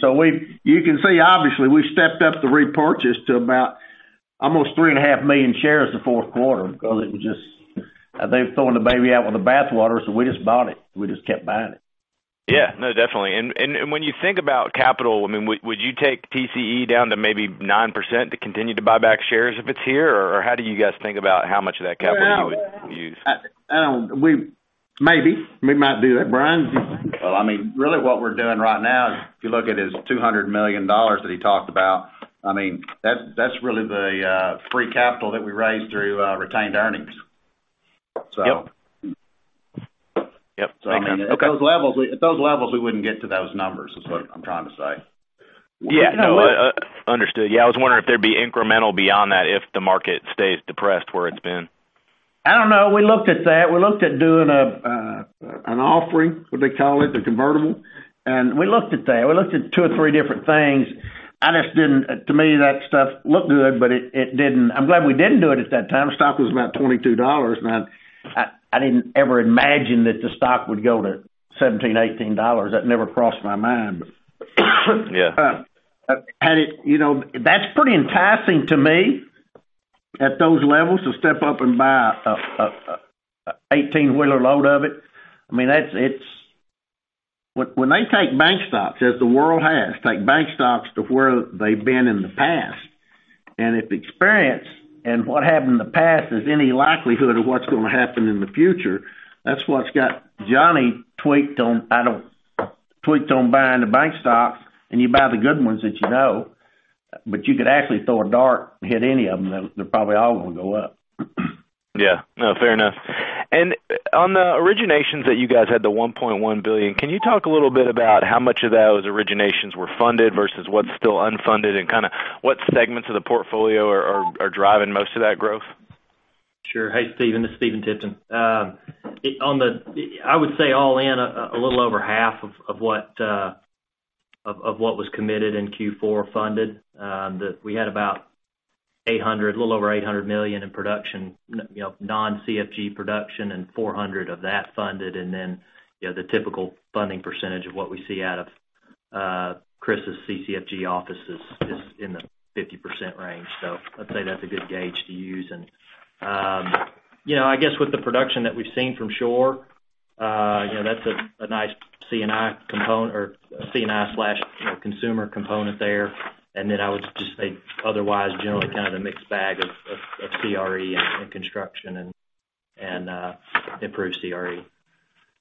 You can see, obviously, we've stepped up the repurchase to about almost 3.5 million shares the fourth quarter because they were throwing the baby out with the bathwater, so we just bought it. We just kept buying it. Yeah. No, definitely. When you think about capital, would you take TCE down to maybe 9% to continue to buy back shares if it's here? How do you guys think about how much of that capital you would use? Maybe. We might do that, Brian. Well, really what we're doing right now is, if you look at his $200 million that he talked about, that's really the free capital that we raised through retained earnings. Yep. Makes sense. Okay. At those levels, we wouldn't get to those numbers is what I'm trying to say. Yeah. No, understood. Yeah, I was wondering if there'd be incremental beyond that if the market stays depressed where it's been. I don't know. We looked at that. We looked at doing an offering, what'd they call it? A convertible. We looked at that. We looked at two or three different things. To me, that stuff looked good, but I'm glad we didn't do it at that time. Stock was about $22, and I didn't ever imagine that the stock would go to $17, $18. That never crossed my mind. Yeah. That's pretty enticing to me at those levels, to step up and buy an 18-wheeler load of it. When they take bank stocks, as the world has, take bank stocks to where they've been in the past, and if experience and what happened in the past is any likelihood of what's going to happen in the future, that's what's got Johnny tweaked on buying the bank stocks, and you buy the good ones that you know. You could actually throw a dart and hit any of them. They're probably all going to go up. Yeah. No, fair enough. On the originations that you guys had, the $1.1 billion, can you talk a little bit about how much of those originations were funded versus what's still unfunded, and what segments of the portfolio are driving most of that growth? Sure. Hey, Stephen, this is Stephen Tipton. I would say all in, a little over half of what was committed in Q4 funded. We had a little over $800 million in non-CFG production and $400 of that funded, the typical funding percentage of what we see out of Chris's CCFG office is in the 50% range. I'd say that's a good gauge to use. I guess with the production that we've seen from Shore, that's a nice C&I/consumer component there. I would just say, otherwise, generally kind of a mixed bag of CRE and construction and improved CRE.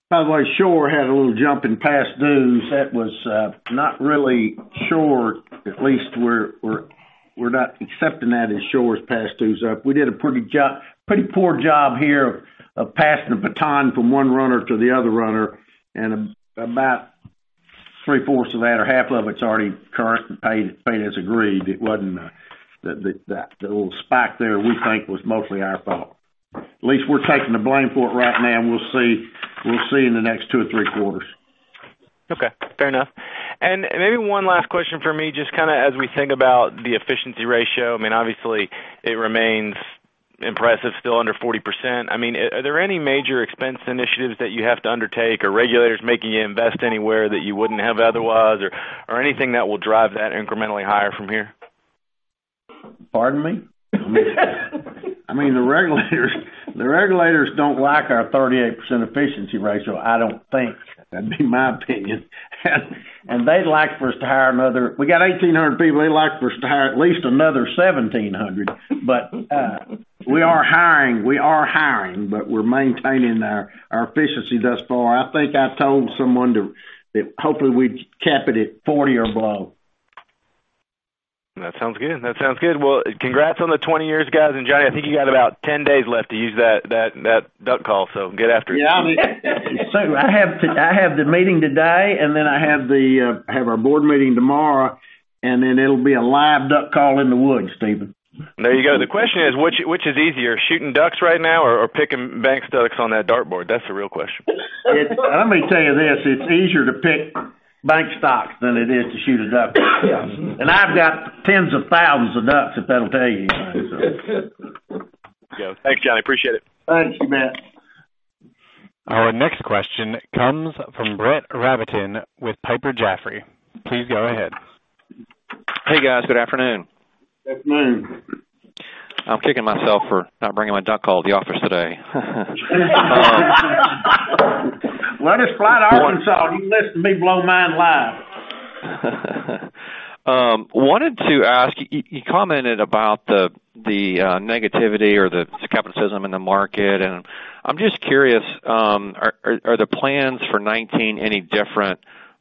By the way, Shore had a little jump in past dues. That was not really Shore. At least we're not accepting that as Shore's past dues up. We did a pretty poor job here of passing the baton from one runner to the other runner, and about three-fourths of that or half of it's already current and paid as agreed. That little spike there, we think was mostly our fault. At least we're taking the blame for it right now, and we'll see in the next two or three quarters. Okay. Fair enough. Maybe one last question from me, just as we think about the efficiency ratio. Obviously, it remains impressive, still under 40%. Are there any major expense initiatives that you have to undertake, or regulators making you invest anywhere that you wouldn't have otherwise, or anything that will drive that incrementally higher from here? Pardon me? The regulators don't like our 38% efficiency ratio, I don't think. That'd be my opinion. They'd like for us to hire. We got 1,800 people. They'd like for us to hire at least another 1,700. We are hiring, but we're maintaining our efficiency thus far. I think I told someone that hopefully we'd cap it at 40 or below. That sounds good. Well, congrats on the 20 years, guys, Johnny, I think you got about 10 days left to use that duck call, get after it. Yeah. I have the meeting today, I have our board meeting tomorrow, it'll be a live duck call in the woods, Stephen. There you go. The question is, which is easier, shooting ducks right now or picking bank stocks on that dartboard? That's the real question. Let me tell you this, it's easier to pick bank stocks than it is to shoot a duck. Yeah. I've got tens of thousands of ducks, if that'll tell you anything. Thanks, Johnny. Appreciate it. Thanks. You bet. Our next question comes from Brett Rabatin with Piper Jaffray. Please go ahead. Hey, guys. Good afternoon. Good afternoon. I'm kicking myself for not bringing my duck call to the office today. Well, just fly to Arkansas and you listen to me blow mine live. Wanted to ask, you commented about the negativity or the skepticism in the market, and I'm just curious, are the plans for 2019 any different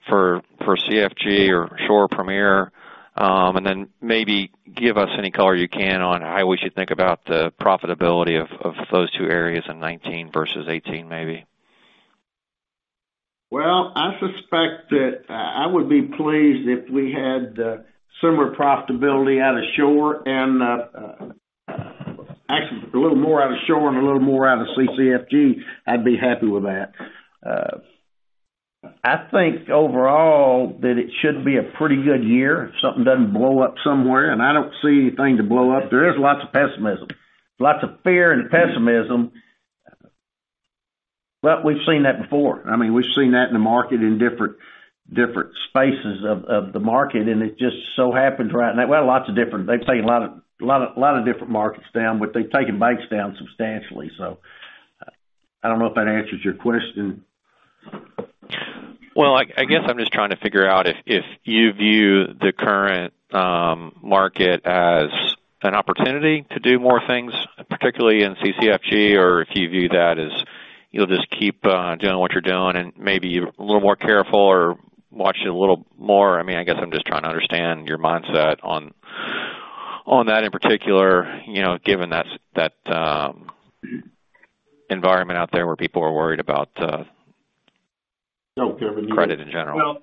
for CCFG or Shore Premier Finance? Maybe give us any color you can on how we should think about the profitability of those two areas in 2019 versus 2018, maybe. Well, I suspect that I would be pleased if we had similar profitability out of Shore and actually a little more out of Shore and a little more out of CCFG. I'd be happy with that. I think overall that it should be a pretty good year if something doesn't blow up somewhere, and I don't see anything to blow up. There is lots of pessimism, lots of fear and pessimism, we've seen that before. We've seen that in the market in different spaces of the market, it just so happens right now. They've taken a lot of different markets down, they've taken banks down substantially. I don't know if that answers your question. I guess I'm just trying to figure out if you view the current market as an opportunity to do more things, particularly in CCFG, or if you view that as you'll just keep doing what you're doing and maybe you're a little more careful or watch it a little more. I guess I'm just trying to understand your mindset on that in particular given that environment out there where people are worried about- Go, Kevin, you go. credit in general.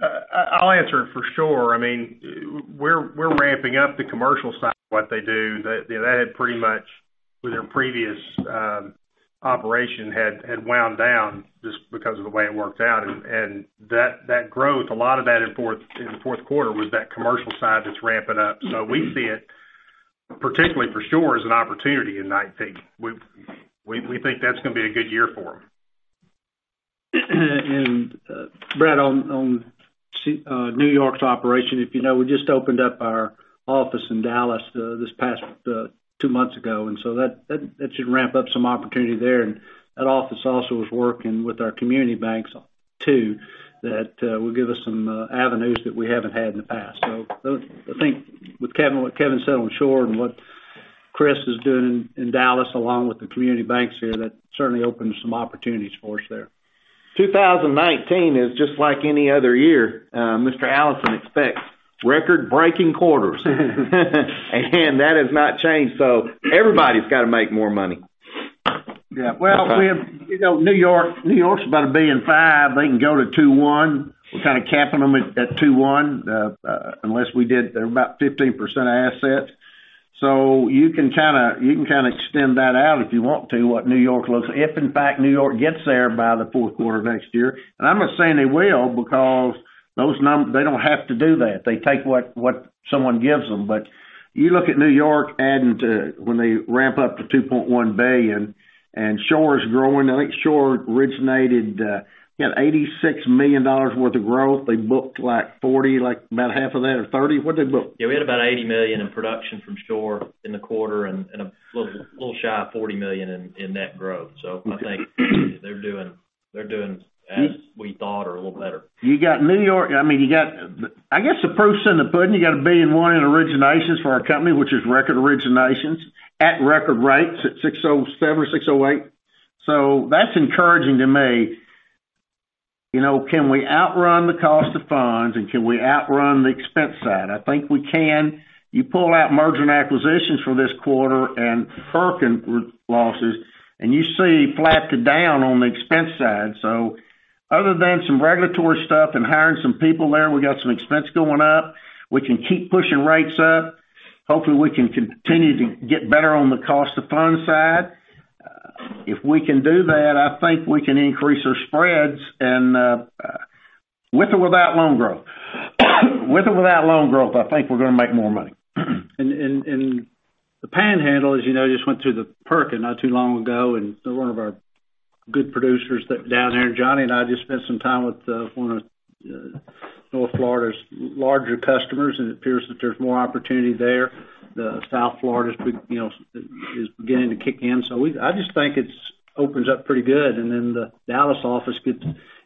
I'll answer it. For Shore, we're ramping up the commercial side, what they do. That had pretty much, with their previous operation, had wound down just because of the way it worked out, and that growth, a lot of that in the fourth quarter was that commercial side that's ramping up. We see it particularly for Shore as an opportunity, and I think we think that's going to be a good year for them. Brett Rabatin, on New York's operation, if you know, we just opened up our office in Dallas two months ago, that should ramp up some opportunity there. That office also is working with our community banks too. That will give us some avenues that we haven't had in the past. I think with what Kevin Hester said on Shore Premier Finance and what Christopher Poulton is doing in Dallas, along with the community banks here, that certainly opens some opportunities for us there. 2019 is just like any other year. Mr. Allison expects record-breaking quarters and that has not changed. Everybody's got to make more money. New York's about $1.5 billion. They can go to $2.1 billion. We're kind of capping them at $2.1 billion, unless we did about 15% assets. You can extend that out if you want to, what New York looks. If in fact New York gets there by the fourth quarter of next year, I'm not saying they will because those numbers, they don't have to do that. They take what someone gives them. You look at New York adding to when they ramp up to $2.1 billion and Shore Premier Finance is growing. I think Shore Premier Finance originated, got $86 million worth of growth. They booked 40, about half of that or 30. What'd they book? We had about $80 million in production from Shore Premier Finance in the quarter and a little shy of $40 million in net growth. I think they're doing as we thought or a little better. I guess the proof's in the pudding. You got $1.1 billion in originations for our company, which is record originations at record rates at 607 or 608. That's encouraging to me. Can we outrun the cost of funds, and can we outrun the expense side? I think we can. You pull out merger and acquisitions for this quarter and hurricane losses, you see flat to down on the expense side. Other than some regulatory stuff and hiring some people there, we got some expense going up. We can keep pushing rates up. Hopefully, we can continue to get better on the cost of funds side. If we can do that, I think we can increase our spreads, with or without loan growth. With or without loan growth, I think we're going to make more money. The Panhandle, as you know, just went through the hurricane not too long ago, and one of our good producers down there, Johnny, and I just spent some time with one of North Florida's larger customers, and it appears that there's more opportunity there. South Florida is beginning to kick in. I just think it opens up pretty good. The Dallas office,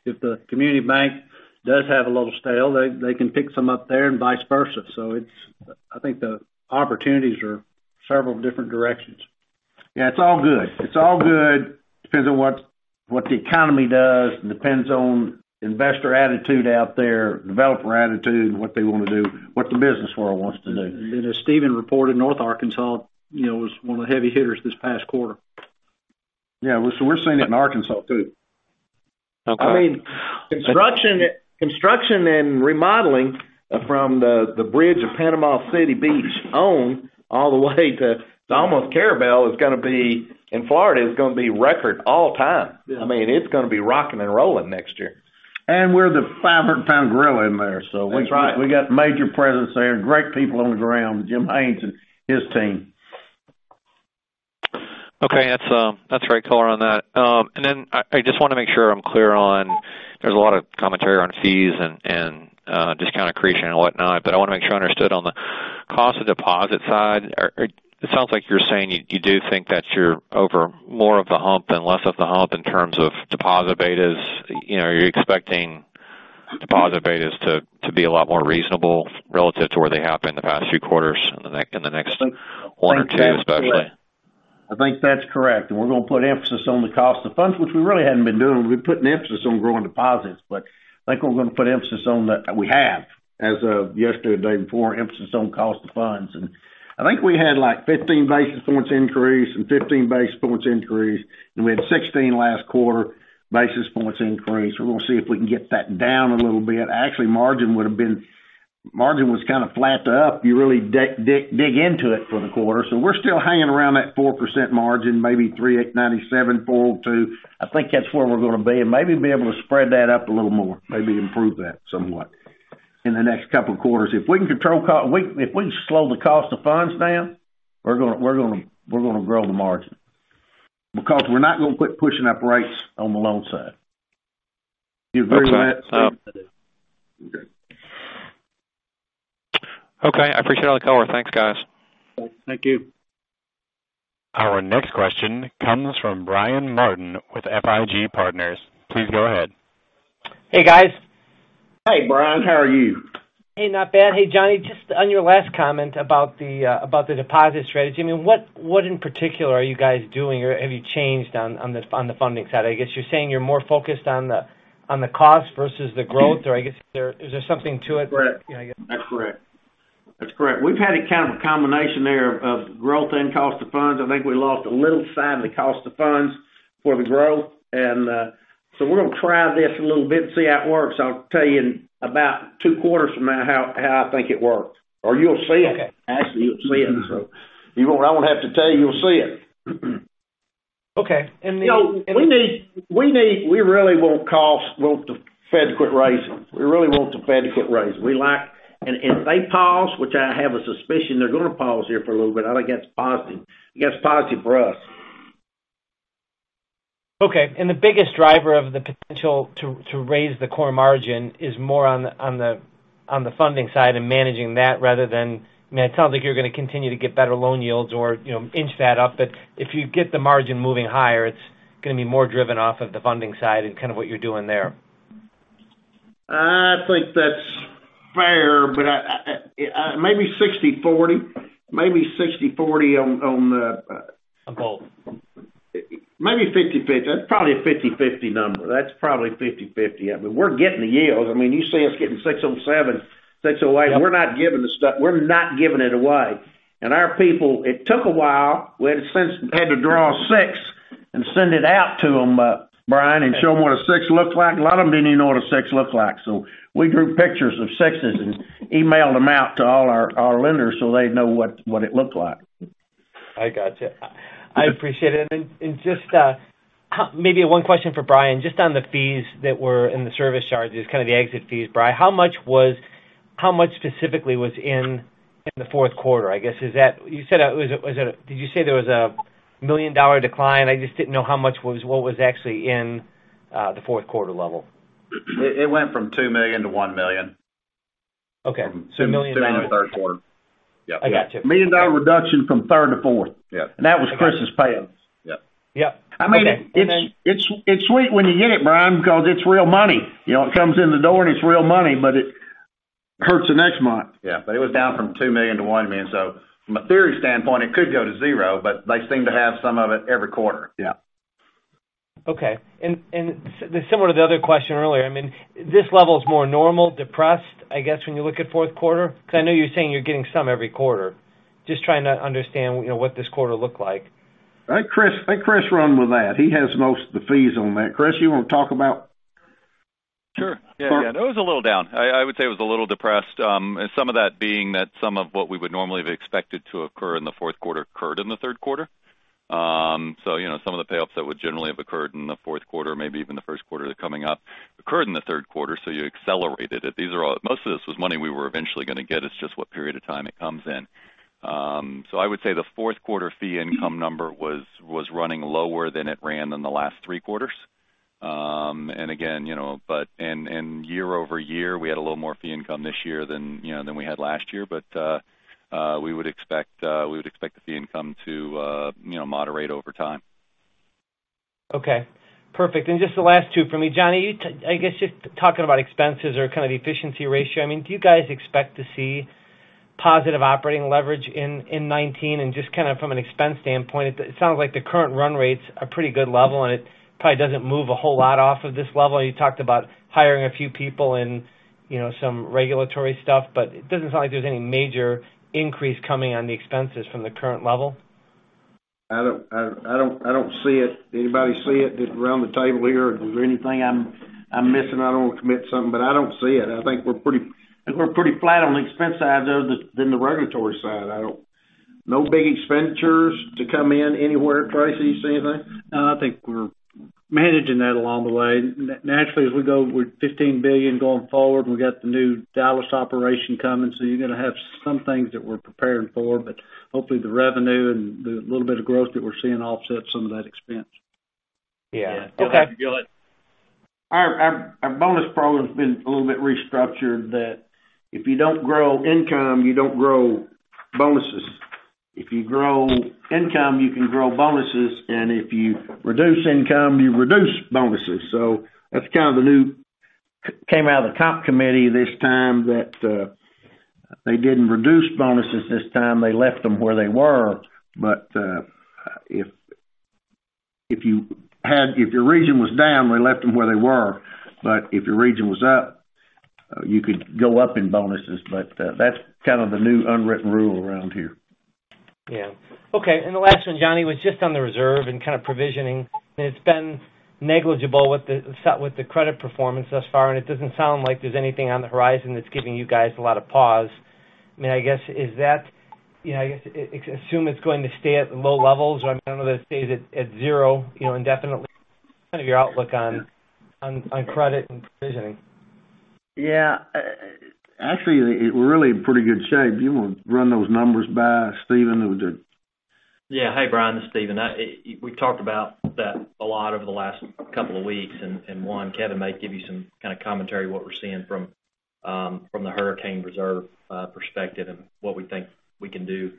if the community bank does have a little stale, they can pick some up there and vice versa. I think the opportunities are several different directions. It's all good. It's all good. Depends on what the economy does, depends on investor attitude out there, developer attitude and what they want to do, what the business world wants to do. As Stephen reported, North Arkansas was one of the heavy hitters this past quarter. Yeah. We're seeing it in Arkansas, too. Okay. Construction and remodeling from the bridge of Panama City Beach on all the way to almost Carrabelle is going to be, in Florida, is going to be record all time. Yeah. It's going to be rocking and rolling next year. We're the 500-pound gorilla in there. That's right. We got major presence there, great people on the ground, Jim Haynes and his team. Okay. That's right color on that. I just want to make sure I'm clear on, there's a lot of commentary on fees and discount accretion and whatnot, but I want to make sure I understood on the cost of deposit side. It sounds like you're saying you do think that you're over more of the hump than less of the hump in terms of deposit betas. You're expecting deposit betas to be a lot more reasonable relative to where they have been the past few quarters in the next one or two especially. I think that's correct. We're going to put emphasis on the cost of funds, which we really hadn't been doing. We've been putting emphasis on growing deposits. We have, as of yesterday, the day before, emphasis on cost of funds. I think we had like 15 basis points increase and 15 basis points increase, and we had 16 last quarter basis points increase. We're going to see if we can get that down a little bit. Actually, margin would've been Margin was kind of flat to up. You really dig into it for the quarter. We're still hanging around that 4% margin, maybe 397, 402. I think that's where we're going to be, and maybe be able to spread that up a little more, maybe improve that somewhat in the next couple of quarters. If we can slow the cost of funds down, we're going to grow the margin because we're not going to quit pushing up rates on the loan side. Do you agree with that? I do. Okay. I appreciate all the color. Thanks, guys. Thank you. Our next question comes from Brian Martin with FIG Partners. Please go ahead. Hey, guys. Hey, Brian. How are you? Hey, not bad. Hey, Johnny, just on your last comment about the deposit strategy. What in particular are you guys doing, or have you changed on the funding side? I guess you're saying you're more focused on the cost versus the growth, or I guess, is there something to it? That's correct. We've had a kind of a combination there of growth and cost of funds. I think we lost a little side of the cost of funds for the growth. We're going to try this a little bit and see how it works. I'll tell you in about two quarters from now how I think it works, or you'll see it. Actually, you'll see it. I won't have to tell you'll see it. Okay. The- We really want the Fed to quit raising. We really want the Fed to quit raising. If they pause, which I have a suspicion they're going to pause here for a little bit, I think that's positive. I think that's positive for us. Okay. The biggest driver of the potential to raise the core margin is more on the funding side and managing that rather than I mean, it sounds like you're going to continue to get better loan yields or inch that up. If you get the margin moving higher, it's going to be more driven off of the funding side and kind of what you're doing there. I think that's fair, maybe 60/40. Maybe 60/40 on the. On both. Maybe 50/50. That's probably a 50/50 number. That's probably 50/50. I mean, we're getting the yields. I mean, you see us getting 607, 608. We're not giving it away. Our people, it took a while. We had to since had to draw a six and send it out to them, Brian, and show them what a six looks like. A lot of them didn't even know what a six looked like. We drew pictures of sixes and emailed them out to all our lenders so they'd know what it looked like. I gotcha. I appreciate it. Just maybe one question for Brian, just on the fees that were in the service charges, kind of the exit fees, Brian, how much specifically was in the fourth quarter? I guess, did you say there was a $1 million decline? I just didn't know how much was what was actually in the fourth quarter level. It went from $2 million-$1 million. Okay. $1 million. To the third quarter. Yep. I gotcha. Million-dollar reduction from third to fourth. Yeah. That was Chris' payoffs. Yeah. Yep. Okay. I mean, it's sweet when you get it, Brian, because it's real money. It comes in the door, and it's real money, but it hurts the next month. It was down from $2 million-$1 million. From a theory standpoint, it could go to zero, but they seem to have some of it every quarter. Yeah. Okay. Similar to the other question earlier, I mean, this level is more normal, depressed, I guess, when you look at fourth quarter? I know you're saying you're getting some every quarter. Just trying to understand what this quarter looked like. Let Chris run with that. He has most of the fees on that. Chris, you want to talk about? Sure. Yeah. It was a little down. I would say it was a little depressed. Some of that being that some of what we would normally have expected to occur in the fourth quarter occurred in the third quarter. Some of the payoffs that would generally have occurred in the fourth quarter, maybe even the first quarter coming up, occurred in the third quarter, so you accelerated it. Most of this was money we were eventually going to get. It's just what period of time it comes in. I would say the fourth quarter fee income number was running lower than it ran in the last three quarters. Again, and year-over-year, we had a little more fee income this year than we had last year. We would expect the fee income to moderate over time. Okay, perfect. Just the last two from me. Johnny, I guess just talking about expenses or kind of the efficiency ratio, I mean, do you guys expect to see positive operating leverage in 2019? Just kind of from an expense standpoint, it sounds like the current run rates are pretty good level, and it probably doesn't move a whole lot off of this level. You talked about hiring a few people and some regulatory stuff, but it doesn't sound like there's any major increase coming on the expenses from the current level. I don't see it. Anybody see it just around the table here? Is there anything I'm missing? I don't want to commit something, but I don't see it. I think we're pretty flat on the expense side, though, than the regulatory side. No big expenditures to come in anywhere. Tracy French, you see anything? No, I think we're managing that along the way. Naturally, as we go, we're $15 billion going forward, and we got the new Dallas operation coming, so you're going to have some things that we're preparing for. Hopefully, the revenue and the little bit of growth that we're seeing offsets some of that expense. Yeah. Okay. Our bonus program's been a little bit restructured that if you don't grow income, you don't grow bonuses. If you grow income, you can grow bonuses. If you reduce income, you reduce bonuses. That's kind of the new Came out of the comp committee this time that they didn't reduce bonuses this time. They left them where they were. If your region was down, we left them where they were. If your region was up, you could go up in bonuses. That's kind of the new unwritten rule around here. Yeah. Okay, the last one, Johnny, was just on the reserve and kind of provisioning. It's been negligible with the credit performance thus far, and it doesn't sound like there's anything on the horizon that's giving you guys a lot of pause. I guess, assume it's going to stay at low levels. I don't know that it stays at zero indefinitely, kind of your outlook on credit and provisioning. Yeah. Actually, we're really in pretty good shape. You want to run those numbers by, Stephen? It would do. Yeah. Hey, Brian, this is Stephen. We've talked about that a lot over the last couple of weeks. One, Kevin may give you some kind of commentary, what we're seeing from the hurricane reserve perspective and what we think we can do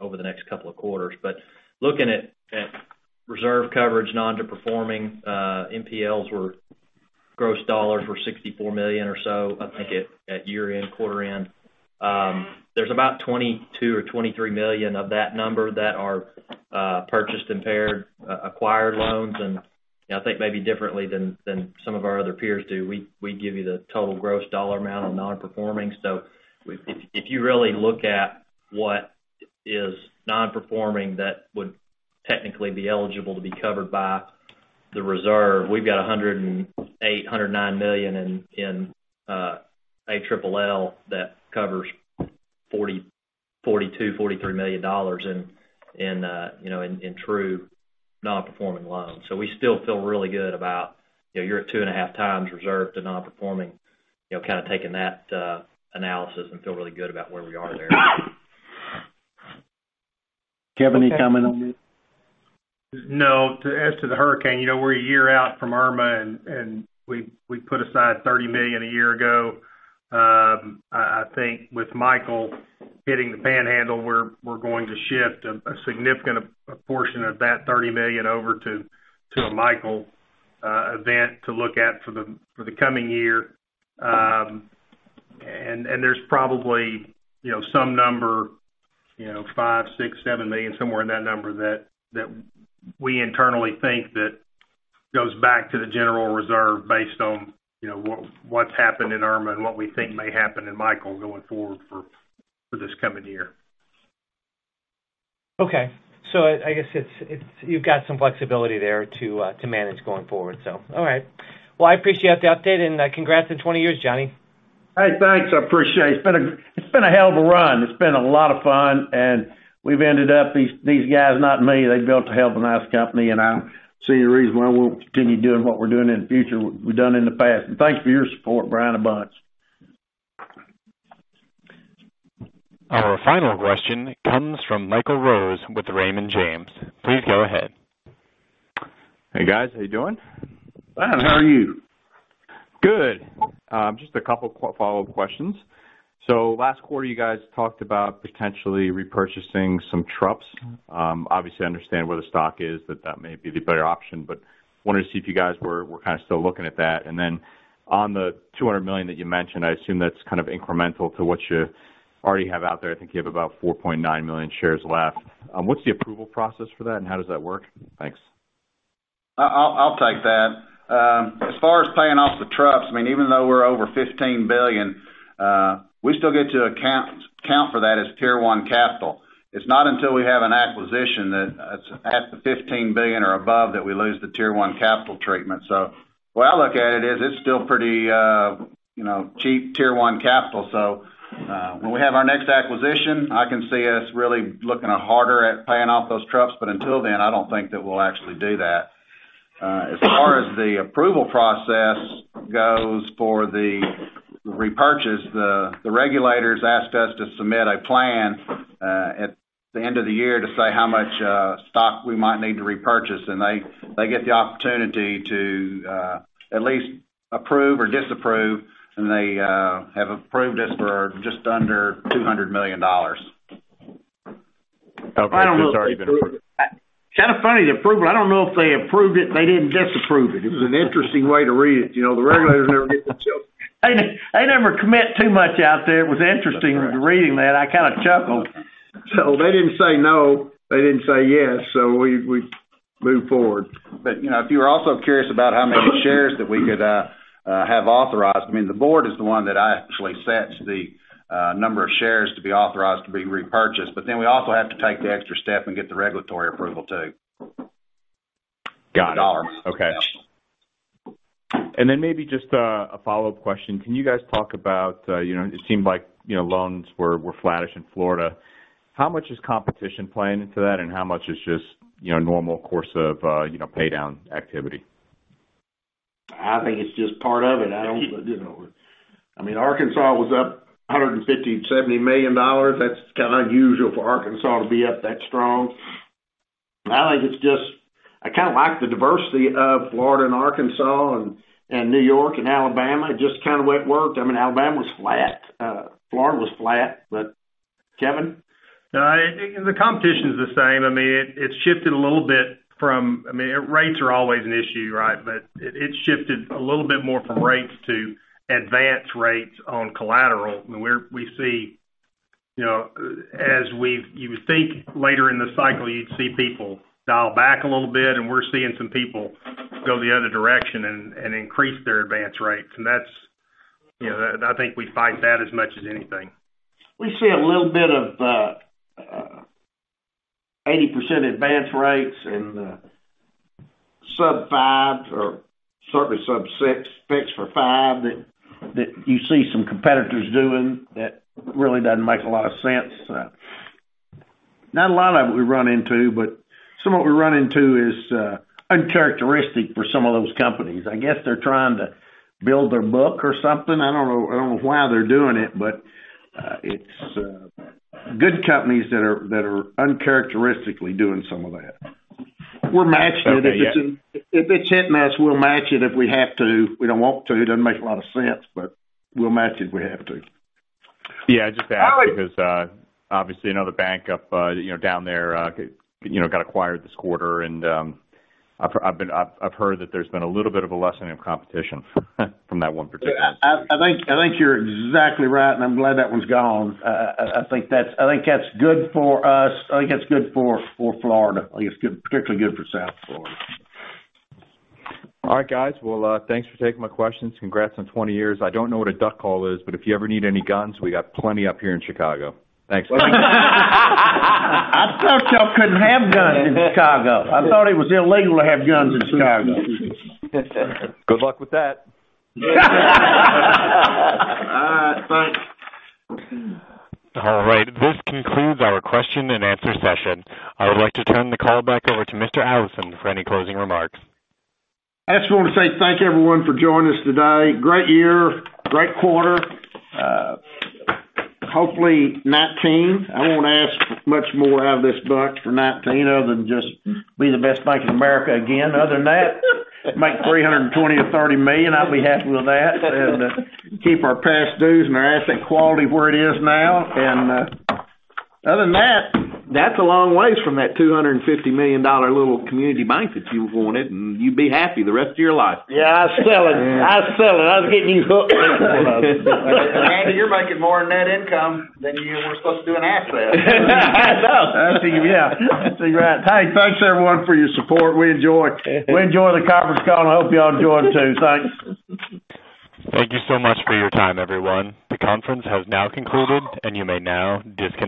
over the next couple of quarters. Looking at reserve coverage, non-performing NPLs gross dollars were $64 million or so, I think, at year-end, quarter end. There's about $22 million or $23 million of that number that are purchased, impaired, acquired loans. I think maybe differently than some of our other peers do, we give you the total gross dollar amount of non-performing. If you really look at what is non-performing that would technically be eligible to be covered by the reserve, we've got $108 million, $109 million in ALLL that covers $42 million, $43 million in true non-performing loans. We still feel really good about, you are at two and a half times reserve to non-performing, kind of taking that analysis and feel really good about where we are there. Kevin, any comment on this? No. As to the hurricane, we are a year out from Irma, and we put aside $30 million a year ago. I think with Michael hitting the Panhandle, we are going to shift a significant portion of that $30 million over to a Michael event to look at for the coming year. There is probably some number, $5 million, $6 million, $7 million, somewhere in that number, that we internally think that goes back to the general reserve based on what has happened in Irma and what we think may happen in Michael going forward for this coming year. Okay. I guess you have got some flexibility there to manage going forward. All right. Well, I appreciate the update, and congrats on 20 years, Johnny. Hey, thanks. I appreciate it. It's been a hell of a run. It's been a lot of fun. We've ended up, these guys, not me, they've built a hell of a nice company. I see a reason why we'll continue doing what we're doing in the future what we've done in the past. Thanks for your support, Brian, a bunch. Our final question comes from Michael Rose with Raymond James. Please go ahead. Hey, guys. How you doing? Fine. How are you? Just a couple follow-up questions. Last quarter, you guys talked about potentially repurchasing some TRUPs. Obviously, I understand where the stock is, that that may be the better option, but wanted to see if you guys were kind of still looking at that. On the $200 million that you mentioned, I assume that's kind of incremental to what you already have out there. I think you have about 4.9 million shares left. What's the approval process for that, and how does that work? Thanks. I'll take that. As far as paying off the TRUPs, even though we're over $15 billion, we still get to account for that as Tier 1 capital. It's not until we have an acquisition that's at the $15 billion or above that we lose the Tier 1 capital treatment. The way I look at it is it's still pretty cheap Tier 1 capital. When we have our next acquisition, I can see us really looking harder at paying off those TRUPs, but until then, I don't think that we'll actually do that. As far as the approval process goes for the repurchase, the regulators asked us to submit a plan at the end of the year to say how much stock we might need to repurchase, and they get the opportunity to at least approve or disapprove, and they have approved us for just under $200 million. Okay. It's already been approved. Kind of funny, the approval. I don't know if they approved it. They didn't disapprove it. It was an interesting way to read it. The regulators never commit too much out there. It was interesting reading that. I kind of chuckled. They didn't say no. They didn't say yes. We moved forward. If you were also curious about how many shares that we could have authorized, the board is the one that actually sets the number of shares to be authorized to be repurchased. We also have to take the extra step and get the regulatory approval, too. Got it. Dollar. Okay. Maybe just a follow-up question. Can you guys talk about it seemed like loans were flattish in Florida. How much is competition playing into that, and how much is just normal course of pay down activity? I think it's just part of it. Arkansas was up $150 million-$170 million. That's kind of unusual for Arkansas to be up that strong. I kind of like the diversity of Florida and Arkansas and New York and Alabama. It just kind of went work. Alabama was flat. Florida was flat. Kevin? The competition's the same. It shifted a little bit from. Rates are always an issue, right? It shifted a little bit more from rates to advance rates on collateral. You would think later in the cycle, you'd see people dial back a little bit, and we're seeing some people go the other direction and increase their advance rates. That's I think we fight that as much as anything. We see a little bit of 80% advance rates and sub fives, or certainly sub six bids for five that you see some competitors doing that really doesn't make a lot of sense. Not a lot of it we run into, but some of what we run into is uncharacteristic for some of those companies. I guess they're trying to build their book or something. I don't know why they're doing it, but it's good companies that are uncharacteristically doing some of that. We'll match it. If it's hitting us, we'll match it if we have to. We don't want to. It doesn't make a lot of sense, but we'll match it if we have to. Yeah, just to add, because obviously, the bank down there got acquired this quarter, and I've heard that there's been a little bit of a lessening of competition from that one particular institution. I think you're exactly right. I'm glad that one's gone. I think that's good for us. I think that's good for Florida. I think it's particularly good for South Florida. All right, guys. Well, thanks for taking my questions. Congrats on 20 years. I don't know what a duck call is. If you ever need any guns, we got plenty up here in Chicago. Thanks. I thought y'all couldn't have guns in Chicago. I thought it was illegal to have guns in Chicago. Good luck with that. All right, thanks. All right. This concludes our question and answer session. I would like to turn the call back over to Mr. Allison for any closing remarks. I just want to say thank you, everyone, for joining us today. Great year. Great quarter. Hopefully 2019, I won't ask much more out of this bunch for 2019 other than just be the best bank in America again. Other than that, make $320 million-$330 million. I'll be happy with that, and keep our past dues and our asset quality where it is now. Other than that's a long way from that $250 million little community bank that you wanted, and you'd be happy the rest of your life. Yeah, I'd sell it. I was getting you hooked. Randy, you're making more in net income than you were supposed to do in asset. I know. Yeah. Hey, thanks everyone for your support. We enjoy the conference call, and I hope y'all enjoyed it too. Thanks. Thank you so much for your time, everyone. The conference has now concluded, and you may now disconnect.